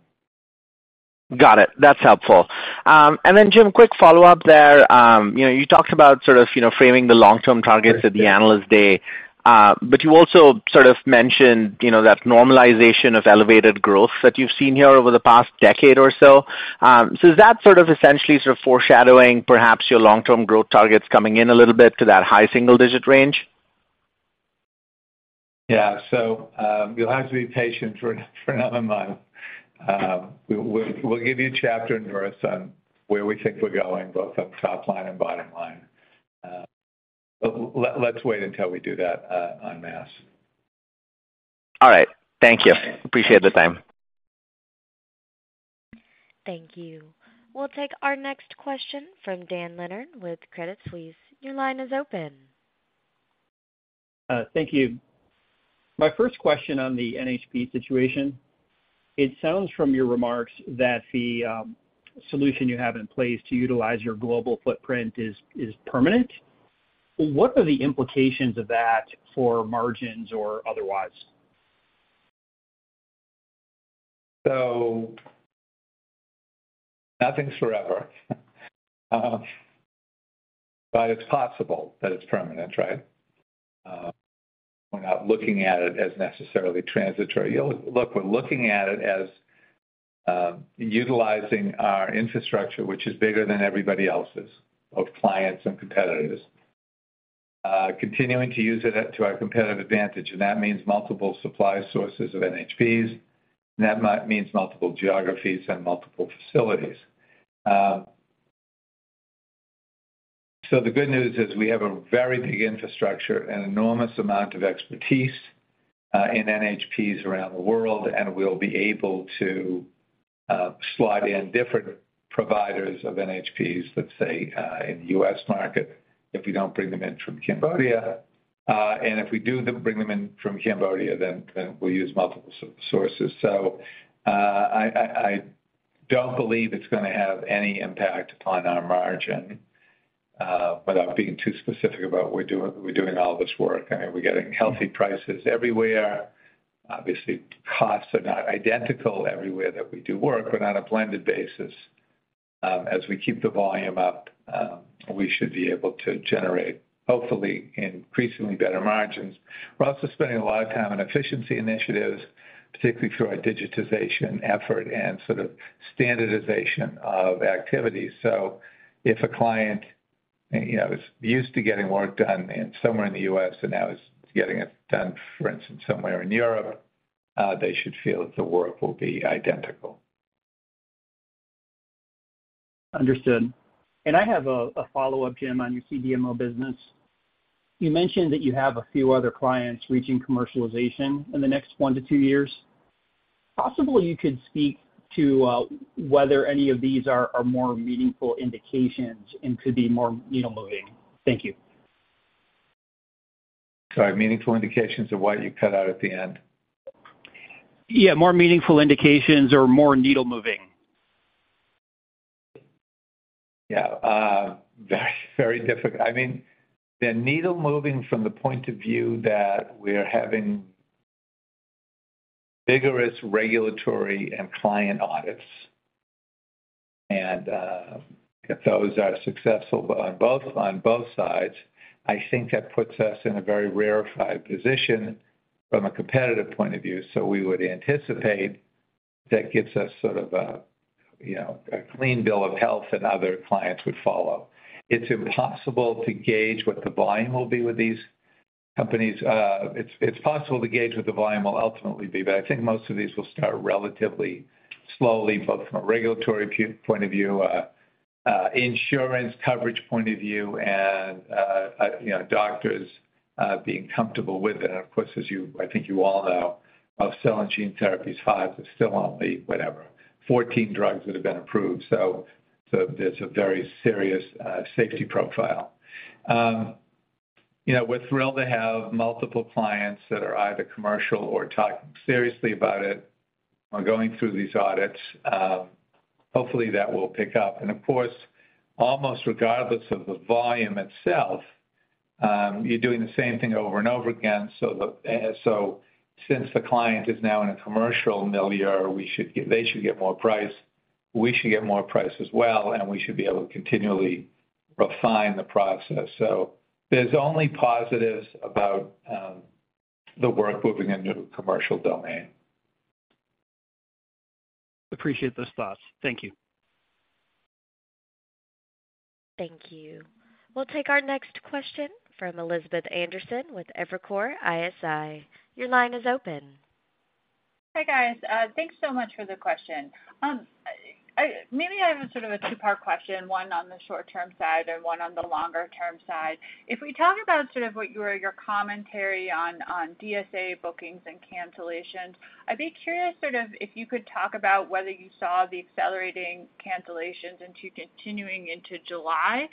Got it. That's helpful. Then Jim, quick follow-up there. You know, you talked about sort of, you know, framing the long-term targets at the Analyst Day, but you also sort of mentioned, you know, that normalization of elevated growth that you've seen here over the past decade or so. Is that sort of essentially sort of foreshadowing perhaps your long-term growth targets coming in a little bit to that high single digit range? Yeah. you'll have to be patient for, for another month. we, we'll give you a chapter and verse on where we think we're going, both on top line and bottom line. let, let's wait until we do that, en masse. All right. Thank you. Appreciate the time. Thank you. We'll take our next question from Dan Leonard with Credit Suisse. Your line is open. Thank you. My first question on the NHP situation, it sounds from your remarks that the solution you have in place to utilize your global footprint is, is permanent. What are the implications of that for margins or otherwise? Nothing's forever, but it's possible that it's permanent, right? We're not looking at it as necessarily transitory. We're looking at it as utilizing our infrastructure, which is bigger than everybody else's, both clients and competitors. Continuing to use it to our competitive advantage, and that means multiple supply sources of NHPs, and that means multiple geographies and multiple facilities. The good news is we have a very big infrastructure and enormous amount of expertise in NHPs around the world, and we'll be able to slot in different providers of NHPs, let's say, in the US market, if we don't bring them in from Cambodia. If we do bring them in from Cambodia, then, then we'll use multiple sources. I don't believe it's gonna have any impact on our margin, without being too specific about we're doing, we're doing all this work. I mean, we're getting healthy prices everywhere. Obviously, costs are not identical everywhere that we do work, but on a blended basis, as we keep the volume up, we should be able to generate, hopefully, increasingly better margins. We're also spending a lot of time on efficiency initiatives, particularly through our digitization effort and sort of standardization of activities. If a client, you know, is used to getting work done in somewhere in the US and now is getting it done, for instance, somewhere in Europe, they should feel that the work will be identical. Understood. I have a, a follow-up, Jim, on your CDMO business. You mentioned that you have a few other clients reaching commercialization in the next one to two years. Possibly, you could speak to, whether any of these are, are more meaningful indications and could be more needle moving. Thank you. Sorry, meaningful indications of what? You cut out at the end. Yeah, more meaningful indications or more needle moving. Yeah, very, very difficult. I mean, they're needle moving from the point of view that we're having vigorous regulatory and client audits, and if those are successful on both, on both sides, I think that puts us in a very rarefied position from a competitive point of view. We would anticipate that gives us sort of a, you know, a clean bill of health and other clients would follow. It's impossible to gauge what the volume will be with these companies. It's possible to gauge what the volume will ultimately be, but I think most of these will start relatively slowly, both from a regulatory view, point of view, insurance coverage point of view, and, you know, doctors being comfortable with it. Of course, as you -- I think you all know, of cell and gene therapies, 5 is still on the whatever, 14 drugs that have been approved, so, so there's a very serious safety profile. You know, we're thrilled to have multiple clients that are either commercial or talking seriously about it or going through these audits. Hopefully, that will pick up. Of course, almost regardless of the volume itself, you're doing the same thing over and over again. So since the client is now in a commercial milieu, we should get -- they should get more price, we should get more price as well, and we should be able to continually refine the process. There's only positives about the work moving into the commercial domain. Appreciate those thoughts. Thank you. Thank you. We'll take our next question from Elizabeth Anderson with Evercore ISI. Your line is open. Hi, guys. Thanks so much for the question. I, maybe I have a sort of a 2-part question, one on the short-term side and one on the longer-term side. If we talk about sort of what your, your commentary on, on DSA bookings and cancellations, I'd be curious sort of, if you could talk about whether you saw the accelerating cancellations into continuing into July.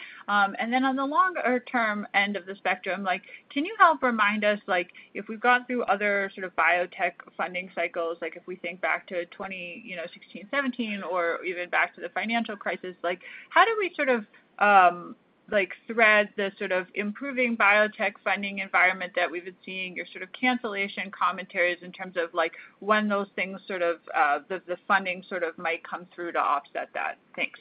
Then on the longer-term end of the spectrum, like, can you help remind us, like, if we've gone through other sort of biotech funding cycles, like if we think back to 2016, 2017 or even back to the financial crisis, like, how do we sort of, like, thread the sort of improving biotech funding environment that we've been seeing, your sort of cancellation commentaries in terms of, like, when those things sort of, the, the funding sort of might come through to offset that? Thanks.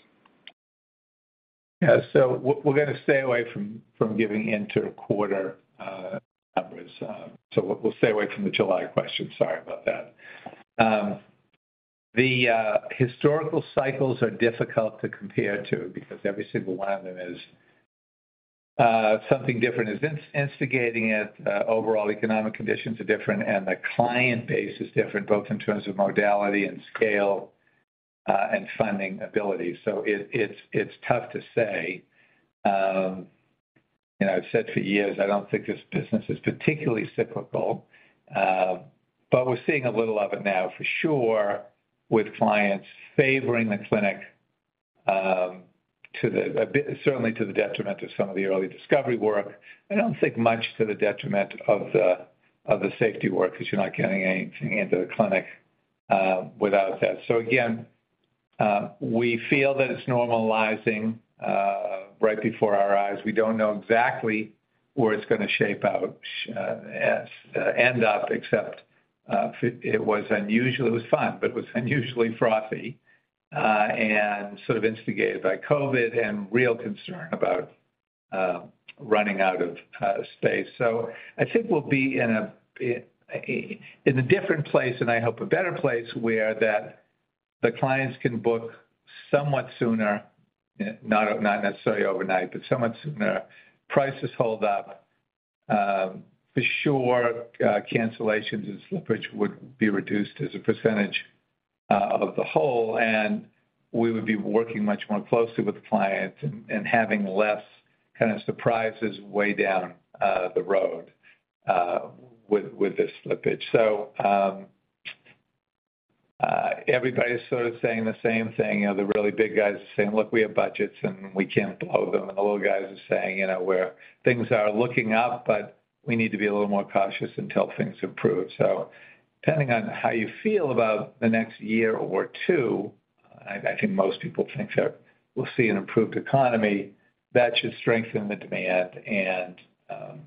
Yeah. We're going to stay away from, from giving into quarter numbers. We'll, we'll stay away from the July question. Sorry about that. The historical cycles are difficult to compare to, because every single one of them is something different, is instigating it, overall economic conditions are different, and the client base is different, both in terms of modality and scale, and funding ability. It's, it's tough to say. You know, I've said for years, I don't think this business is particularly cyclical, but we're seeing a little of it now, for sure, with clients favoring the clinic, certainly to the detriment of some of the early discovery work. I don't think much to the detriment of the, of the safety work, because you're not getting anything into the clinic, without that. So again, we feel that it's normalizing, right before our eyes. We don't know exactly where it's going to shape out, as, end up, except, it was fun, but it was unusually frothy, and sort of instigated by COVID and real concern about running out of space. So I think we'll be in a different place, and I hope a better place, where that the clients can book somewhat sooner, not, not necessarily overnight, but somewhat sooner. Prices hold up. For sure, cancellations and slippage would be reduced as a percentage of the whole, and we would be working much more closely with the clients and, and having less kind of surprises way down the road with, with this slippage. Everybody's sort of saying the same thing. You know, the really big guys are saying: "Look, we have budgets, and we can't blow them." The little guys are saying: "You know, we're- things are looking up, but we need to be a little more cautious until things improve." Depending on how you feel about the next year or two, I think most people think that we'll see an improved economy. That should strengthen the demand, and,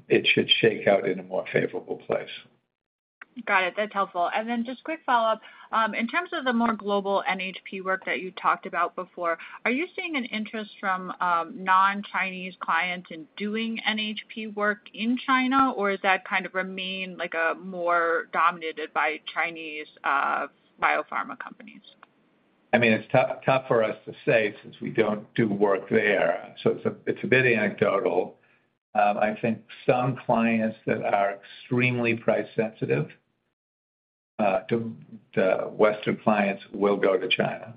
it should shake out in a more favorable place. Got it. That's helpful. Then just quick follow-up. In terms of the more global NHP work that you talked about before, are you seeing an interest from non-Chinese clients in doing NHP work in China, or does that kind of remain, like, more dominated by Chinese biopharma companies? I mean, it's tough, tough for us to say since we don't do work there, so it's a, it's a bit anecdotal. I think some clients that are extremely price sensitive, the, the Western clients will go to China.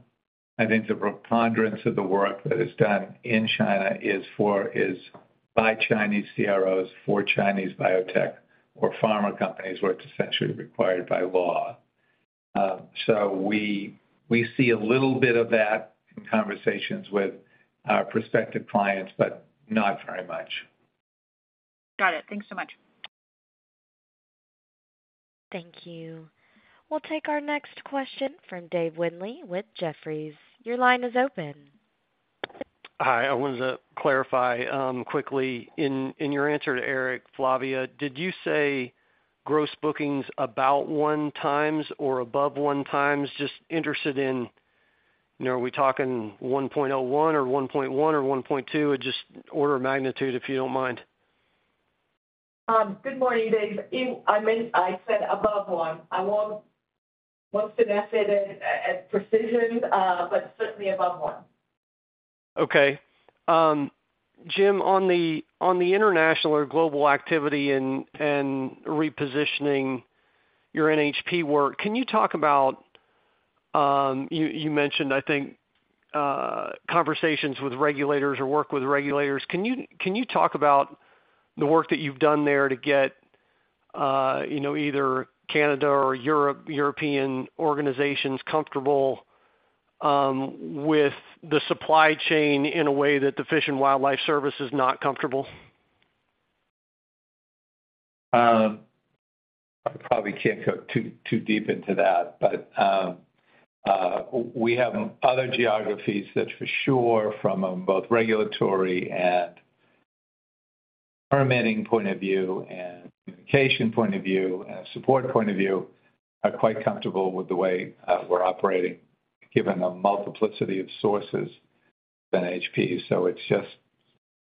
I think the preponderance of the work that is done in China is for, is by Chinese CROs, for Chinese biotech or pharma companies, where it's essentially required by law. We, we see a little bit of that in conversations with our prospective clients, but not very much. Got it. Thanks so much. Thank you. We'll take our next question from David Windley with Jefferies. Your line is open. Hi, I wanted to clarify, quickly, in, in your answer to Eric, Flavia, did you say gross bookings about 1 times or above 1 times? Just interested in, you know, are we talking 1.01 or 1.1 or 1.2? Just order of magnitude, if you don't mind. Good morning, Dave. I meant, I said above one. I won't, won't suggest it at, at precision, but certainly above one. Okay. Jim, on the, on the international or global activity and, and repositioning your NHP work, can you talk about... You mentioned, I think, conversations with regulators or work with regulators. Can you, can you talk about the work that you've done there to get, you know, either Canada or European organizations comfortable with the supply chain in a way that the Fish and Wildlife Service is not comfortable? I probably can't go too, too deep into that, but we have other geographies that for sure, from a both regulatory and permitting point of view and communication point of view and support point of view, are quite comfortable with the way we're operating, given the multiplicity of sources than NHP. It's just,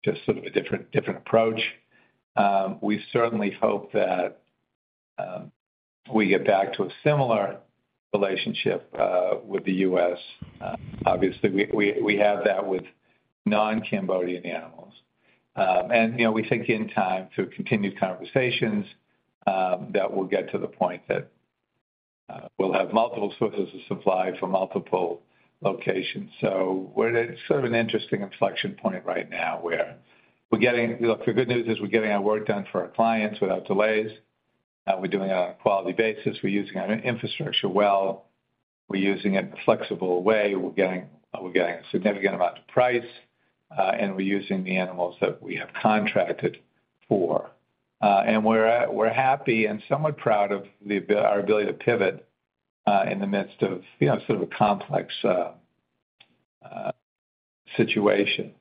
just sort of a different, different approach. We certainly hope that we get back to a similar relationship with the US. Obviously, we, we, we have that with non-Cambodian animals. And, you know, we think in time through continued conversations that we'll get to the point that we'll have multiple sources of supply for multiple locations. We're at sort of an interesting inflection point right now, where look, the good news is we're getting our work done for our clients without delays. We're doing it on a quality basis. We're using our infrastructure well. We're using it in a flexible way. We're getting, we're getting a significant amount of price, and we're using the animals that we have contracted for. And we're happy and somewhat proud of our ability to pivot in the midst of, you know, sort of a complex situation.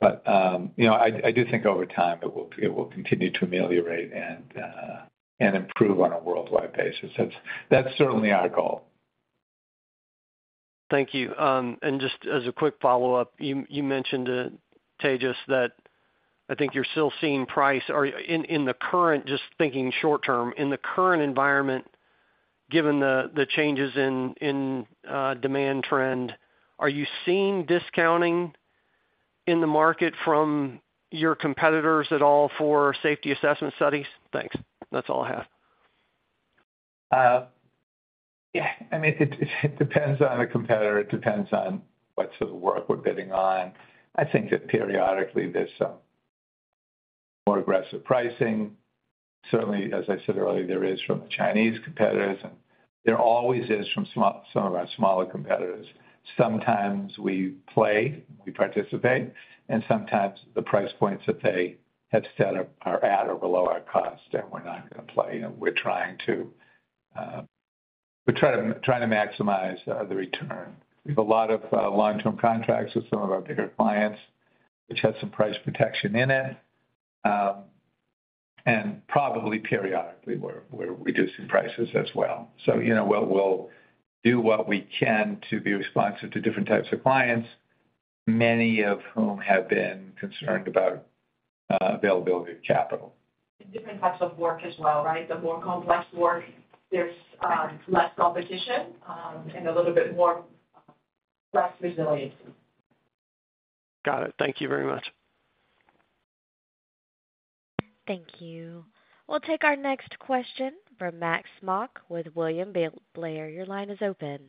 You know I do think over time, it will, it will continue to ameliorate and improve on a worldwide basis. That's, that's certainly our goal. Thank you. Just as a quick follow-up, you, you mentioned to Tejas that I think you're still seeing price or in, in the current... just thinking short term, in the current environment, given the, the changes in, in demand trend, are you seeing discounting in the market from your competitors at all for Safety Assessment studies? Thanks. That's all I have. Yeah, I mean, it, it depends on the competitor. It depends on what sort of work we're bidding on. I think that periodically there's some more aggressive pricing. Certainly, as I said earlier, there is from the Chinese competitors, and there always is from some of our smaller competitors. Sometimes we play, we participate, and sometimes the price points that they have set up are at or below our cost, and we're not going to play. You know, we're trying to, we're trying to, trying to maximize the return. We have a lot of long-term contracts with some of our bigger clients, which has some price protection in it. Probably periodically, we're, we're reducing prices as well. you know, we'll, we'll do what we can to be responsive to different types of clients, many of whom have been concerned about availability of capital. Different types of work as well, right? The more complex work, there's less competition, and a little bit more less resiliency. Got it. Thank you very much. Thank you. We'll take our next question from Max Smock with William Blair. Your line is open.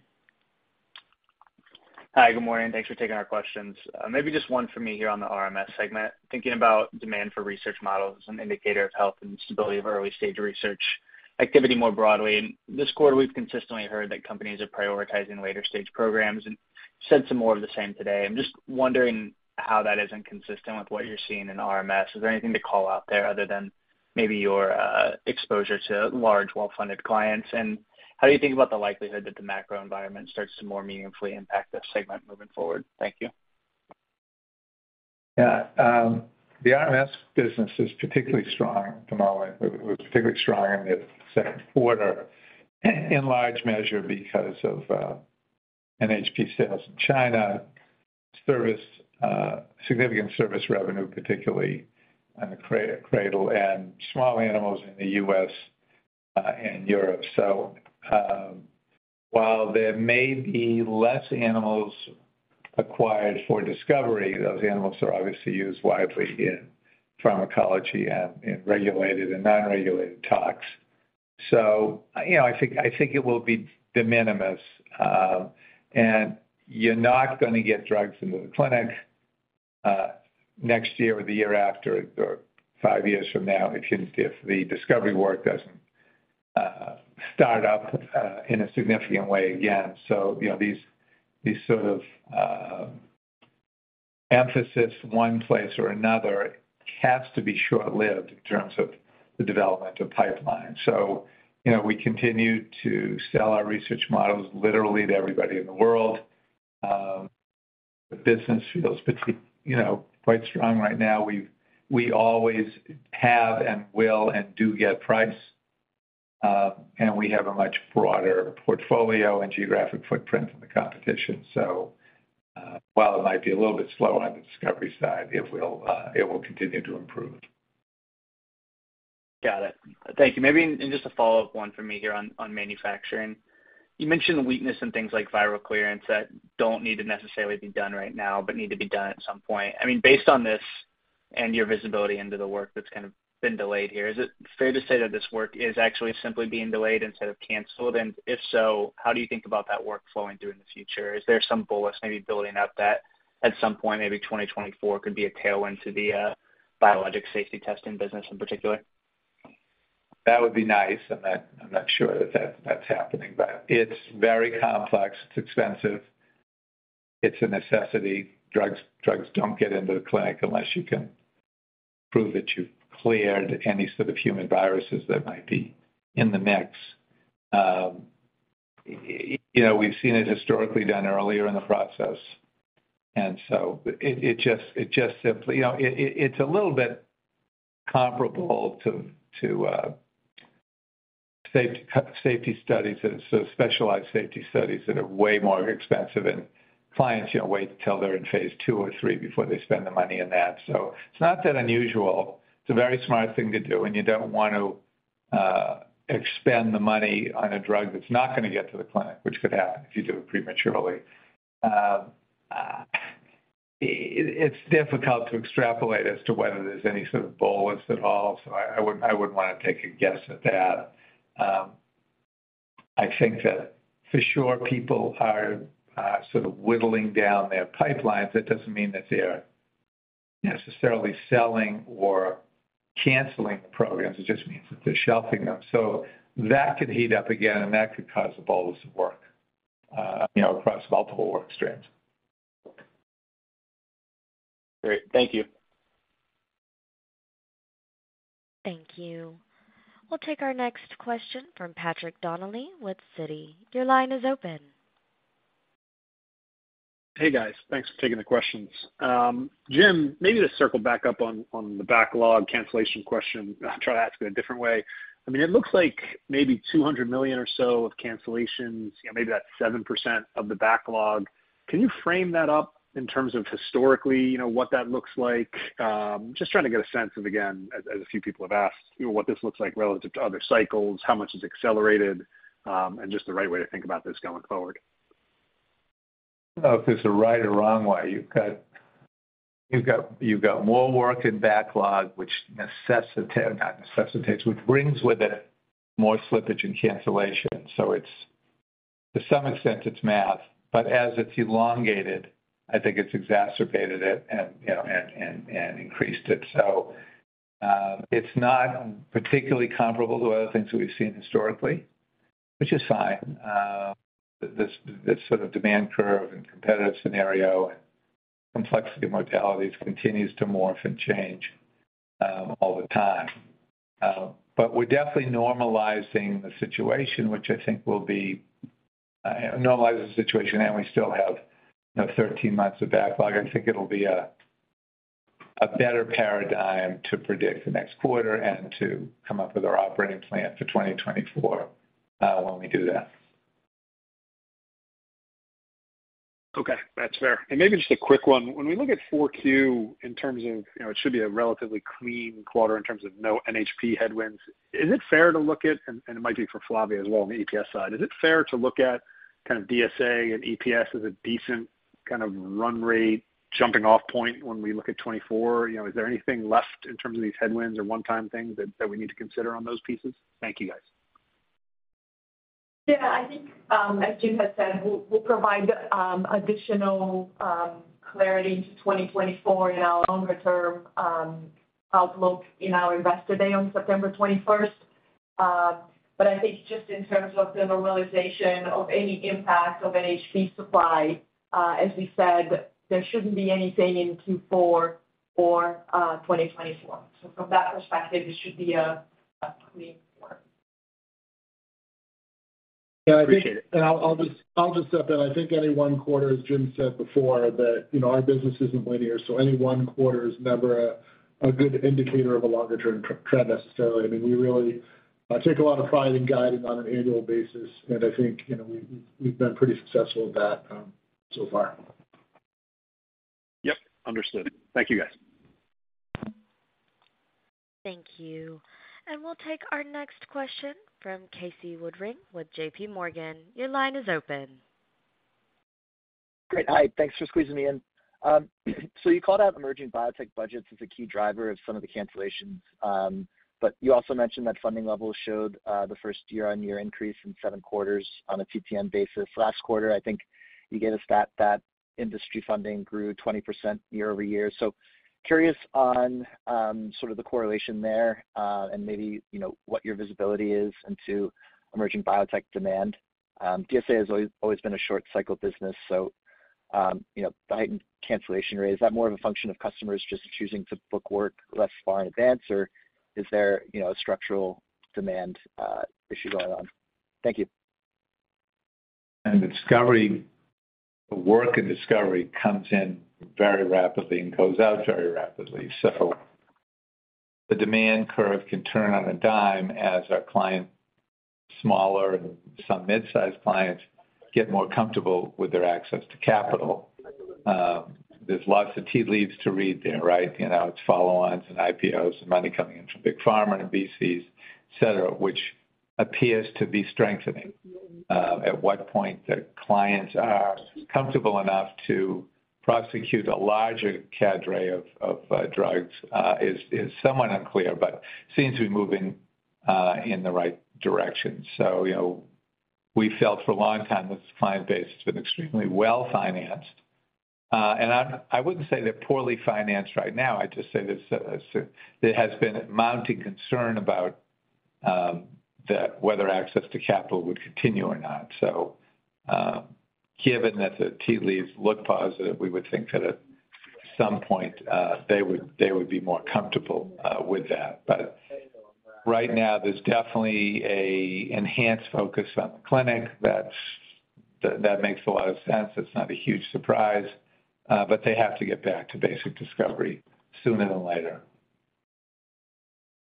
Hi, good morning. Thanks for taking our questions. Maybe just one for me here on the RMS segment. Thinking about demand for research models as an indicator of health and stability of early-stage research activity more broadly. This quarter, we've consistently heard that companies are prioritizing later-stage programs and said some more of the same today. I'm just wondering how that isn't consistent with what you're seeing in RMS. Is there anything to call out there other than maybe your exposure to large, well-funded clients? How do you think about the likelihood that the macro environment starts to more meaningfully impact this segment moving forward? Thank you. Yeah. The RMS business is particularly strong at the moment. It was particularly strong in the second quarter, in large measure because of NHP sales in China, service, significant service revenue, particularly on the CRADL and small animals in the U.S. and Europe. While there may be less animals acquired for discovery, those animals are obviously used widely in pharmacology and in regulated and non-regulated talks. You know I think it will be de minimis. And you're not going to get drugs into the clinic next year or the year after, or 5 years from now, if you, if the discovery work doesn't start up in a significant way again. You know these sort of emphasis one place or another, has to be short-lived in terms of the development of pipeline. you know, we continue to sell our research models literally to everybody in the world. The business feels pretty, you know, quite strong right now. We always have and will and do get price, and we have a much broader portfolio and geographic footprint than the competition. While it might be a little bit slow on the discovery side it will continue to improve. Got it. Thank you. Maybe just a follow-up one for me here on, on manufacturing. You mentioned the weakness in things like viral clearance that don't need to necessarily be done right now, but need to be done at some point. I mean, based on this and your visibility into the work that's kind of been delayed here, is it fair to say that this work is actually simply being delayed instead of canceled? If so, how do you think about that workflow and doing the future? Is there some bullets maybe building up that at some point, maybe 2024 could be a tailwind to the biologic safety testing business in particular? That would be nice, and I'm not sure that that's happening, but it's very complex, it's expensive, it's a necessity. Drugs, drugs don't get into the clinic unless you can prove that you've cleared any sort of human viruses that might be in the mix. You know, we've seen it historically done earlier in the process, and so it just, it just simply. You know, it, it, it's a little bit comparable to, safety, safety studies and sort of specialized safety studies that are way more expensive, and clients, you know, wait until they're in phase two or three before they spend the money on that. It's not that unusual. It's a very smart thing to do, and you don't want to- expend the money on a drug that's not going to get to the clinic, which could happen if you do it prematurely. It's difficult to extrapolate as to whether there's any sort of bolus at all, so I wouldn't, I wouldn't want to take a guess at that. I think that for sure, people are sort of whittling down their pipelines. That doesn't mean that they're necessarily selling or canceling the programs. It just means that they're shelving them. That could heat up again, and that could cause a bolus of work, you know, across multiple work streams. Great. Thank you. Thank you. We'll take our next question from Patrick Donnelly with Citi. Your line is open. Hey, guys. Thanks for taking the questions. Jim, maybe to circle back up on, on the backlog cancellation question. I'll try to ask it a different way. I mean, it looks like maybe $200 million or so of cancellations, you know, maybe that's 7% of the backlog. Can you frame that up in terms of historically, you know, what that looks like? Just trying to get a sense of, again, as, as a few people have asked, you know, what this looks like relative to other cycles, how much is accelerated, and just the right way to think about this going forward. I don't know if there's a right or wrong way. You've got, you've got, you've got more work in backlog, which necessitates, not necessitates, which brings with it more slippage and cancellation. It's, to some extent it's math, but as it's elongated, I think it's exacerbated it and, you know, and, and, and increased it. It's not particularly comparable to other things that we've seen historically, which is fine. This, this sort of demand curve and competitive scenario and complexity of modalities continues to morph and change all the time. But we're definitely normalizing the situation, which I think will be, normalizing the situation, and we still have, you know, 13 months of backlog. I think it'll be a better paradigm to predict the next quarter and to come up with our operating plan for 2024 when we do that. Okay. That's fair. Maybe just a quick one. When we look at 4Q in terms of, you know, it should be a relatively clean quarter in terms of no NHP headwinds, is it fair to look at, and, and it might be for Flavia as well on the EPS side, is it fair to look at kind of DSA and EPS as a decent kind of run rate jumping off point when we look at 2024? You know, is there anything left in terms of these headwinds or one-time things that, that we need to consider on those pieces? Thank you, guys. Yeah, I think, as Jim has said, we'll, we'll provide additional clarity to 2024 in our longer-term outlook in our Investor Day on September 21st. I think just in terms of the normalization of any impact of NHP supply, as we said, there shouldn't be anything in Q4 for 2024. From that perspective, it should be a clean quarter. Appreciate it. Yeah, I think. I'll just, I'll just add that I think any one quarter, as Jim said before, that, you know, our business isn't linear, so any one quarter is never a good indicator of a longer-term trend necessarily. I mean, we really take a lot of pride in guiding on an annual basis, and I think, you know, we've been pretty successful at that so far. Yep. Understood. Thank you, guys. Thank you. We'll take our next question from Casey Woodring with J.P. Morgan. Your line is open. Great. Hi, thanks for squeezing me in. You called out emerging biotech budgets as a key driver of some of the cancellations, but you also mentioned that funding levels showed the first year-on-year increase in 7 quarters on a TTM basis. Last quarter, I think you gave a stat that industry funding grew 20% year-over-year. Curious on sort of the correlation there, and maybe, you know, what your visibility is into emerging biotech demand. DSA has always, always been a short cycle business, you know, the heightened cancellation rate, is that more of a function of customers just choosing to book work less far in advance, or is there, you know, a structural demand issue going on? Thank you. Discovery, work and discovery comes in very rapidly and goes out very rapidly. The demand curve can turn on a dime as our clients, smaller and some mid-sized clients, get more comfortable with their access to capital. There's lots of tea leaves to read there, right? You know, it's follow-ons and IPOs and money coming in from big pharma and VCs, et cetera, which appears to be strengthening. At what point the clients are comfortable enough to prosecute a larger cadre of drugs is somewhat unclear, but seems to be moving in the right direction. You know, we felt for a long time this client base has been extremely well-financed. I wouldn't say they're poorly financed right now. I'd just say there has been a mounting concern about whether access to capital would continue or not. Given that the tea leaves look positive, we would think that at some point, they would, they would be more comfortable with that. Right now, there's definitely a enhanced focus on the clinic. That makes a lot of sense. It's not a huge surprise, but they have to get back to basic discovery sooner than later.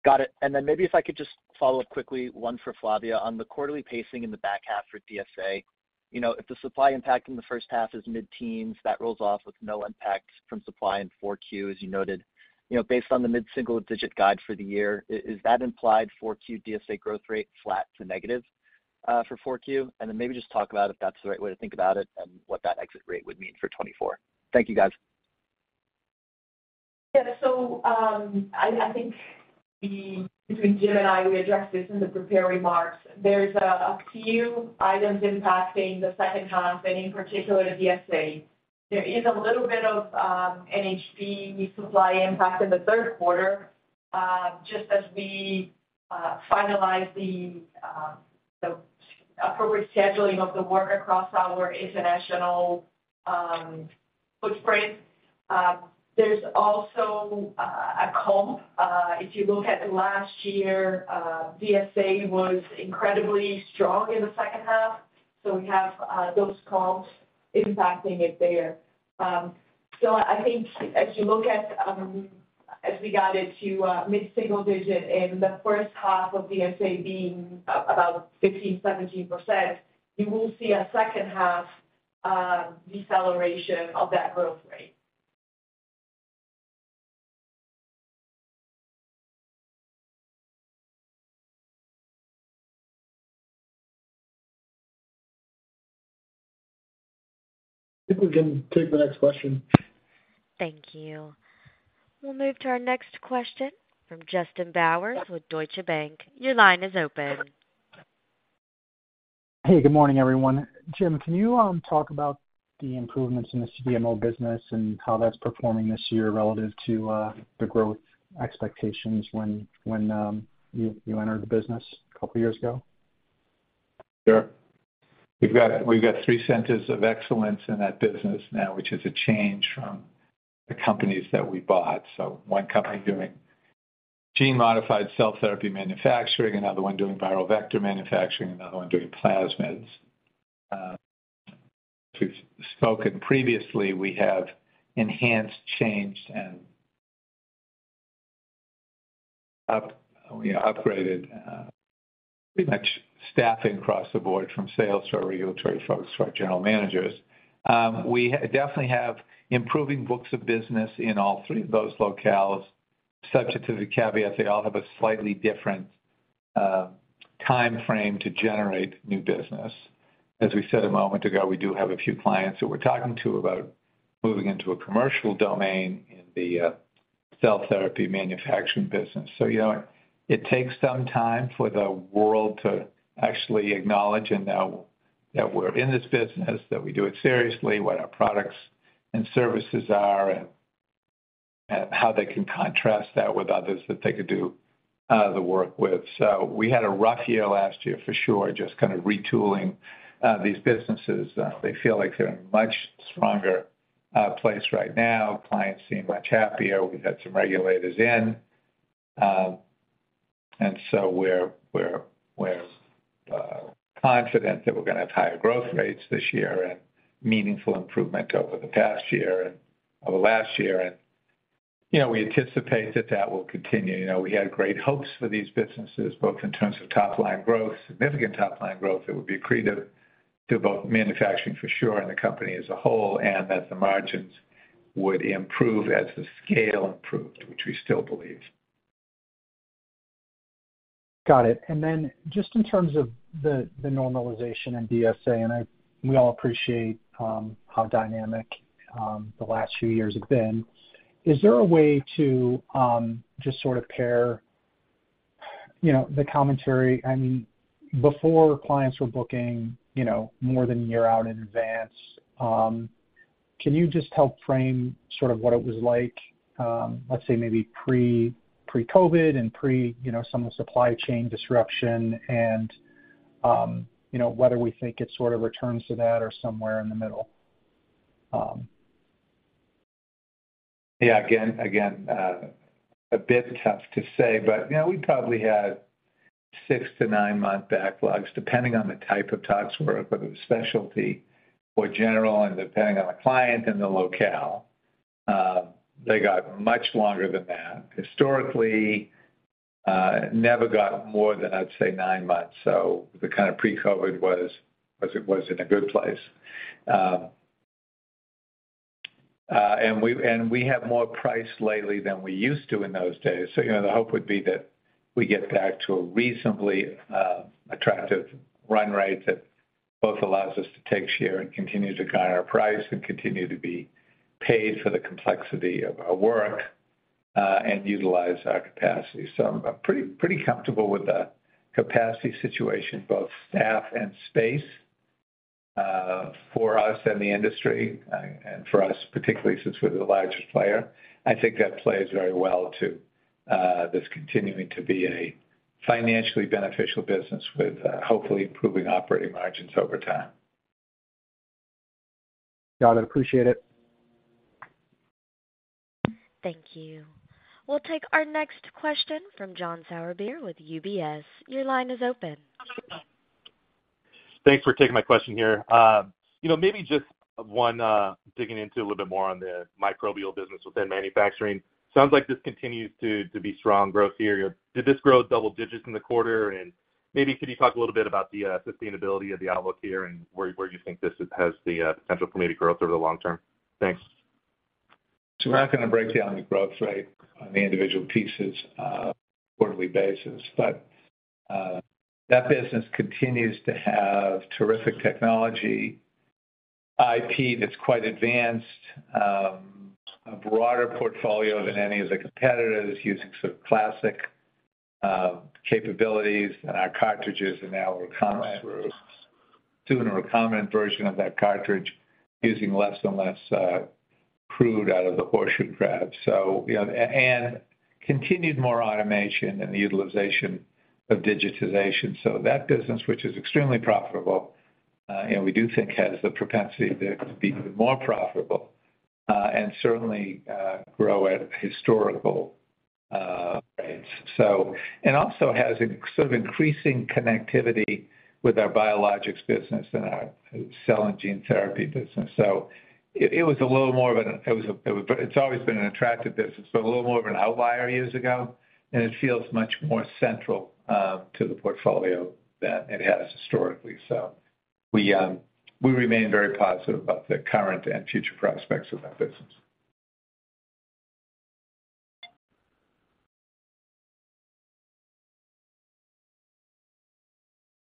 Got it. Then maybe if I could just follow up quickly, 1 for Flavia. On the quarterly pacing in the back half for DSA, you know, if the supply impact in the first half is mid-teens, that rolls off with no impact from supply in 4Q, as you noted. You know, based on the mid-single digit guide for the year, is that implied 4Q DSA growth rate flat to negative for 4Q? Then maybe just talk about if that's the right way to think about it and what that exit rate would mean for 2024. Thank you, guys. Yeah. I think the, between Jim and I, we addressed this in the prepared remarks. There's a few items impacting the second half, and in particular, the DSA. There is a little bit of NHP resupply impact in the third quarter, just as we finalize the appropriate scheduling of the work across our international footprint. There's also a comp. If you look at last year, DSA was incredibly strong in the second half, so we have those comps impacting it there. I think as you look at, as we guided to, mid-single digit in the first half of DSA being about 15%, 17%, you will see a second half deceleration of that growth rate. I think we can take the next question. Thank you. We'll move to our next question from Justin Bowers with Deutsche Bank. Your line is open. Hey, good morning, everyone. Jim, can you talk about the improvements in the CDMO business and how that's performing this year relative to the growth expectations when, you entered the business a couple years ago? Sure. We've got, we've got 3 Centers of Excellence in that business now, which is a change from the companies that we bought. One company doing gene-modified cell therapy manufacturing, another one doing viral vector manufacturing, another one doing plasmids. We've spoken previously, we have enhanced, changed and we upgraded pretty much staffing across the board, from sales to our regulatory folks to our general managers. We definitely have improving books of business in all 3 of those locales, subject to the caveat they all have a slightly different time frame to generate new business. As we said a moment ago, we do have a few clients who we're talking to about moving into a commercial domain in the cell therapy manufacturing business. You know, it takes some time for the world to actually acknowledge and know that we're in this business, that we do it seriously, what our products and services are, and how they can contrast that with others that they could do the work with. We had a rough year last year, for sure, just kind of retooling these businesses. They feel like they're in a much stronger place right now. Clients seem much happier. We've had some regulators in, and so we're, we're, we're confident that we're gonna have higher growth rates this year and meaningful improvement over the past year and over last year. You know, we anticipate that that will continue. You know, we had great hopes for these businesses, both in terms of top-line growth, significant top-line growth, that would be accretive to both manufacturing for sure, and the company as a whole, and that the margins would improve as the scale improved, which we still believe. Got it. Then just in terms of the normalization in DSA, we all appreciate how dynamic the last few years have been. Is there a way to just sort of pair, you know, the commentary? I mean, before clients were booking, you know, more than a year out in advance. Can you just help frame sort of what it was like, let's say maybe pre-COVID and pre, you know, some of the supply chain disruption and, you know, whether we think it sort of returns to that or somewhere in the middle? Yeah, again, again, a bit tough to say, but, you know, we probably had six to nine-month backlogs, depending on the type of tox work, whether it was specialty or general, and depending on the client and the locale. They got much longer than that. Historically, it never got more than, I'd say, nine months, so the kind of pre-COVID was, was it was in a good place. And we, and we have more price lately than we used to in those days. You know, the hope would be that we get back to a reasonably attractive run rate that both allows us to take share and continue to guide our price and continue to be paid for the complexity of our work, and utilize our capacity. I'm, I'm pretty, pretty comfortable with the capacity situation, both staff and space, for us and the industry, and for us, particularly since we're the largest player. I think that plays very well to, this continuing to be a financially beneficial business with, hopefully improving operating margins over time. Got it. Appreciate it. Thank you. We'll take our next question from John Sourbeer with UBS. Your line is open. Thanks for taking my question here.... You know, maybe just one, digging into a little bit more on the microbial business within manufacturing. Sounds like this continues to, to be strong growth here. Did this grow double digits in the quarter? Maybe could you talk a little bit about the sustainability of the outlook here and where, where you think this has the potential for maybe growth over the long term? Thanks. We're not going to break down the growth rate on the individual pieces, quarterly basis. That business continues to have terrific technology, IP that's quite advanced, a broader portfolio than any of the competitors, using sort of classic capabilities and our cartridges and now recombinant, doing a recombinant version of that cartridge, using less and less crude out of the horseshoe crab. You know, and continued more automation and the utilization of digitization. That business, which is extremely profitable, and we do think has the propensity to be more profitable, and certainly, grow at historical rates. And also has a sort of increasing connectivity with our biologics business and our cell and gene therapy business. It's always been an attractive business, but a little more of an outlier years ago, and it feels much more central to the portfolio than it has historically. We remain very positive about the current and future prospects of that business.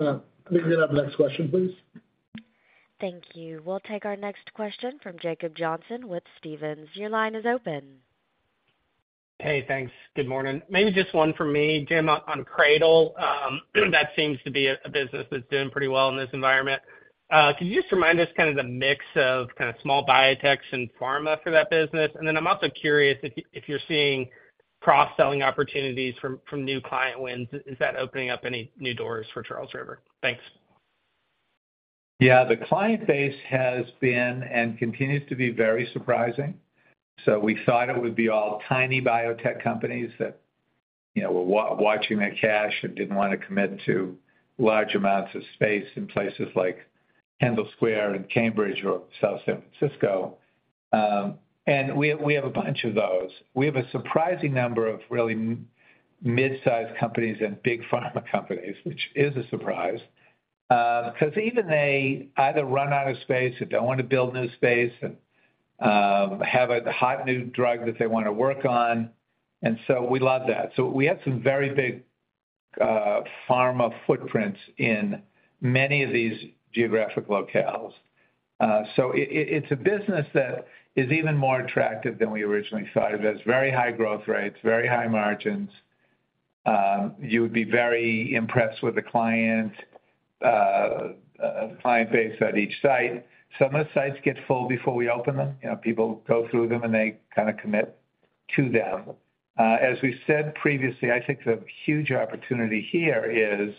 Can we get our next question, please? Thank you. We'll take our next question from Jacob Johnson with Stephens. Your line is open. Hey, thanks. Good morning. Maybe just one from me, Jim, on, on CRADL. That seems to be a, a business that's doing pretty well in this environment. Could you just remind us kind of the mix of kind of small biotechs and pharma for that business? Then I'm also curious if you, if you're seeing cross-selling opportunities from, from new client wins. Is that opening up any new doors for Charles River? Thanks. Yeah. The client base has been and continues to be very surprising. We thought it would be all tiny biotech companies that, you know, were watching their cash and didn't want to commit to large amounts of space in places like Kendall Square and Cambridge or South San Francisco. We have a bunch of those. We have a surprising number of really mid-sized companies and big pharma companies, which is a surprise. Because even they either run out of space or don't want to build new space and have a hot new drug that they want to work on. We love that. We have some very big pharma footprints in many of these geographic locales. It's a business that is even more attractive than we originally thought. It has very high growth rates, very high margins. You would be very impressed with the client, client base at each site. Some of the sites get full before we open them. You know, people go through them, and they kind of commit to them. As we said previously, I think the huge opportunity here is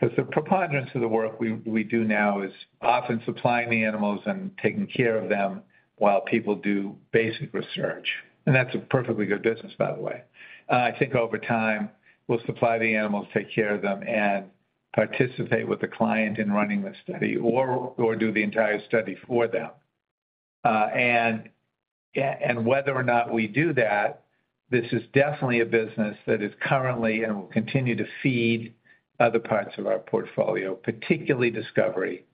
because the preponderance of the work we, we do now is often supplying the animals and taking care of them while people do basic research. That's a perfectly good business, by the way. I think over time, we'll supply the animals, take care of them, and participate with the client in running the study or, or do the entire study for them. Whether or not we do that, this is definitely a business that is currently and will continue to feed other parts of our portfolio, particularly Discovery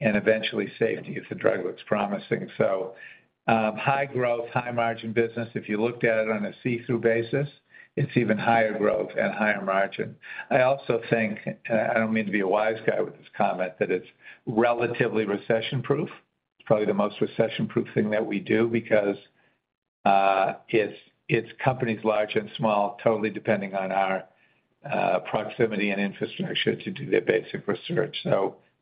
and eventually Safety, if the drug looks promising. High growth, high margin business. If you looked at it on a see-through basis, it's even higher growth and higher margin. I also think, I don't mean to be a wise guy with this comment, that it's relatively recession-proof. It's probably the most recession-proof thing that we do because, it's, it's companies large and small, totally depending on our proximity and infrastructure to do their basic research.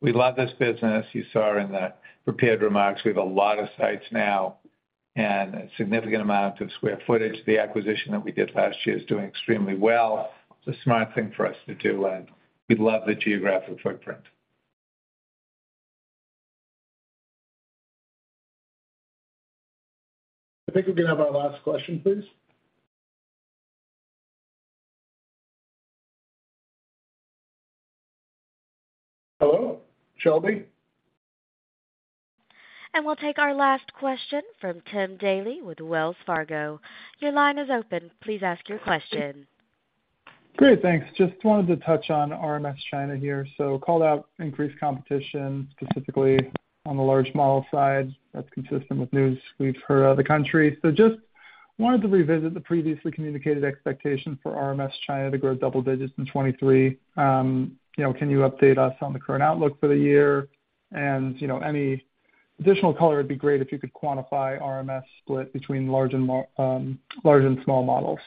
We love this business. You saw in the prepared remarks, we have a lot of sites now and a significant amount of square footage. The acquisition that we did last year is doing extremely well. It's a smart thing for us to do, and we love the geographic footprint. I think we can have our last question, please. Hello, Shelby? We'll take our last question from Tim Daley with Wells Fargo. Your line is open. Please ask your question. Great, thanks. Just wanted to touch on RMS China here. Called out increased competition, specifically on the large model side. That's consistent with news we've heard out of the country. Just wanted to revisit the previously communicated expectation for RMS China to grow double digits in 23. You know, can you update us on the current outlook for the year? You know, any additional color would be great if you could quantify RMS split between large and large and small models.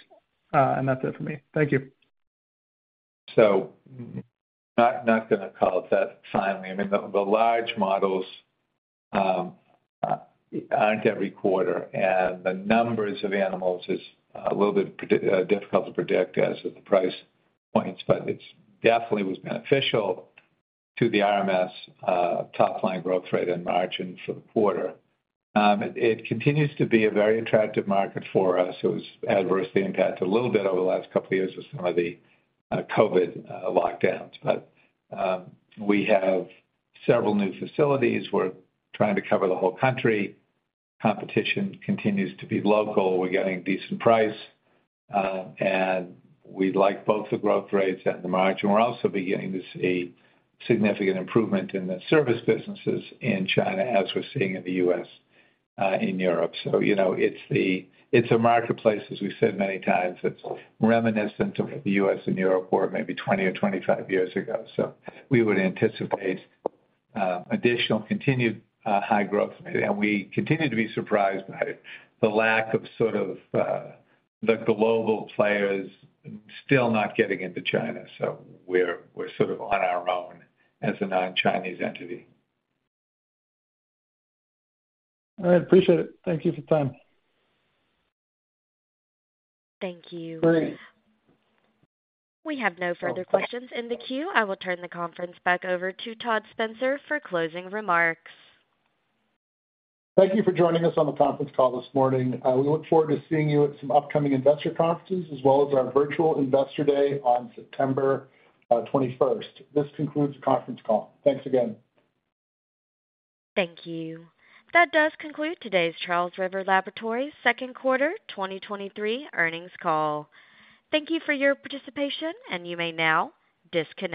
That's it for me. Thank you. Not, not going to call it that finally. I mean, the, the large models, aren't every quarter, and the numbers of animals is a little bit difficult to predict as are the price points, but it's definitely was beneficial to the RMS top-line growth rate and margin for the quarter. It continues to be a very attractive market for us. It was adversely impacted a little bit over the last couple of years with some of the COVID lockdowns. We have several new facilities. We're trying to cover the whole country. Competition continues to be local. We're getting decent price, and we like both the growth rates and the margin. We're also beginning to see significant improvement in the service businesses in China, as we're seeing in the US, in Europe. You know, it's a marketplace, as we've said many times, it's reminiscent of the US and Europe were maybe 20 or 25 years ago. We would anticipate additional continued high growth, and we continue to be surprised by the lack of sort of the global players still not getting into China. We're, we're sort of on our own as a non-Chinese entity. All right, appreciate it. Thank you for the time. Thank you. Great. We have no further questions in the queue. I will turn the conference back over to Todd Spencer for closing remarks. Thank you for joining us on the conference call this morning. We look forward to seeing you at some upcoming investor conferences, as well as our Virtual Investor Day on September 21st. This concludes the conference call. Thanks again. Thank you. That does conclude today's Charles River Laboratories second quarter 2023 earnings call. Thank you for your participation, and you may now disconnect.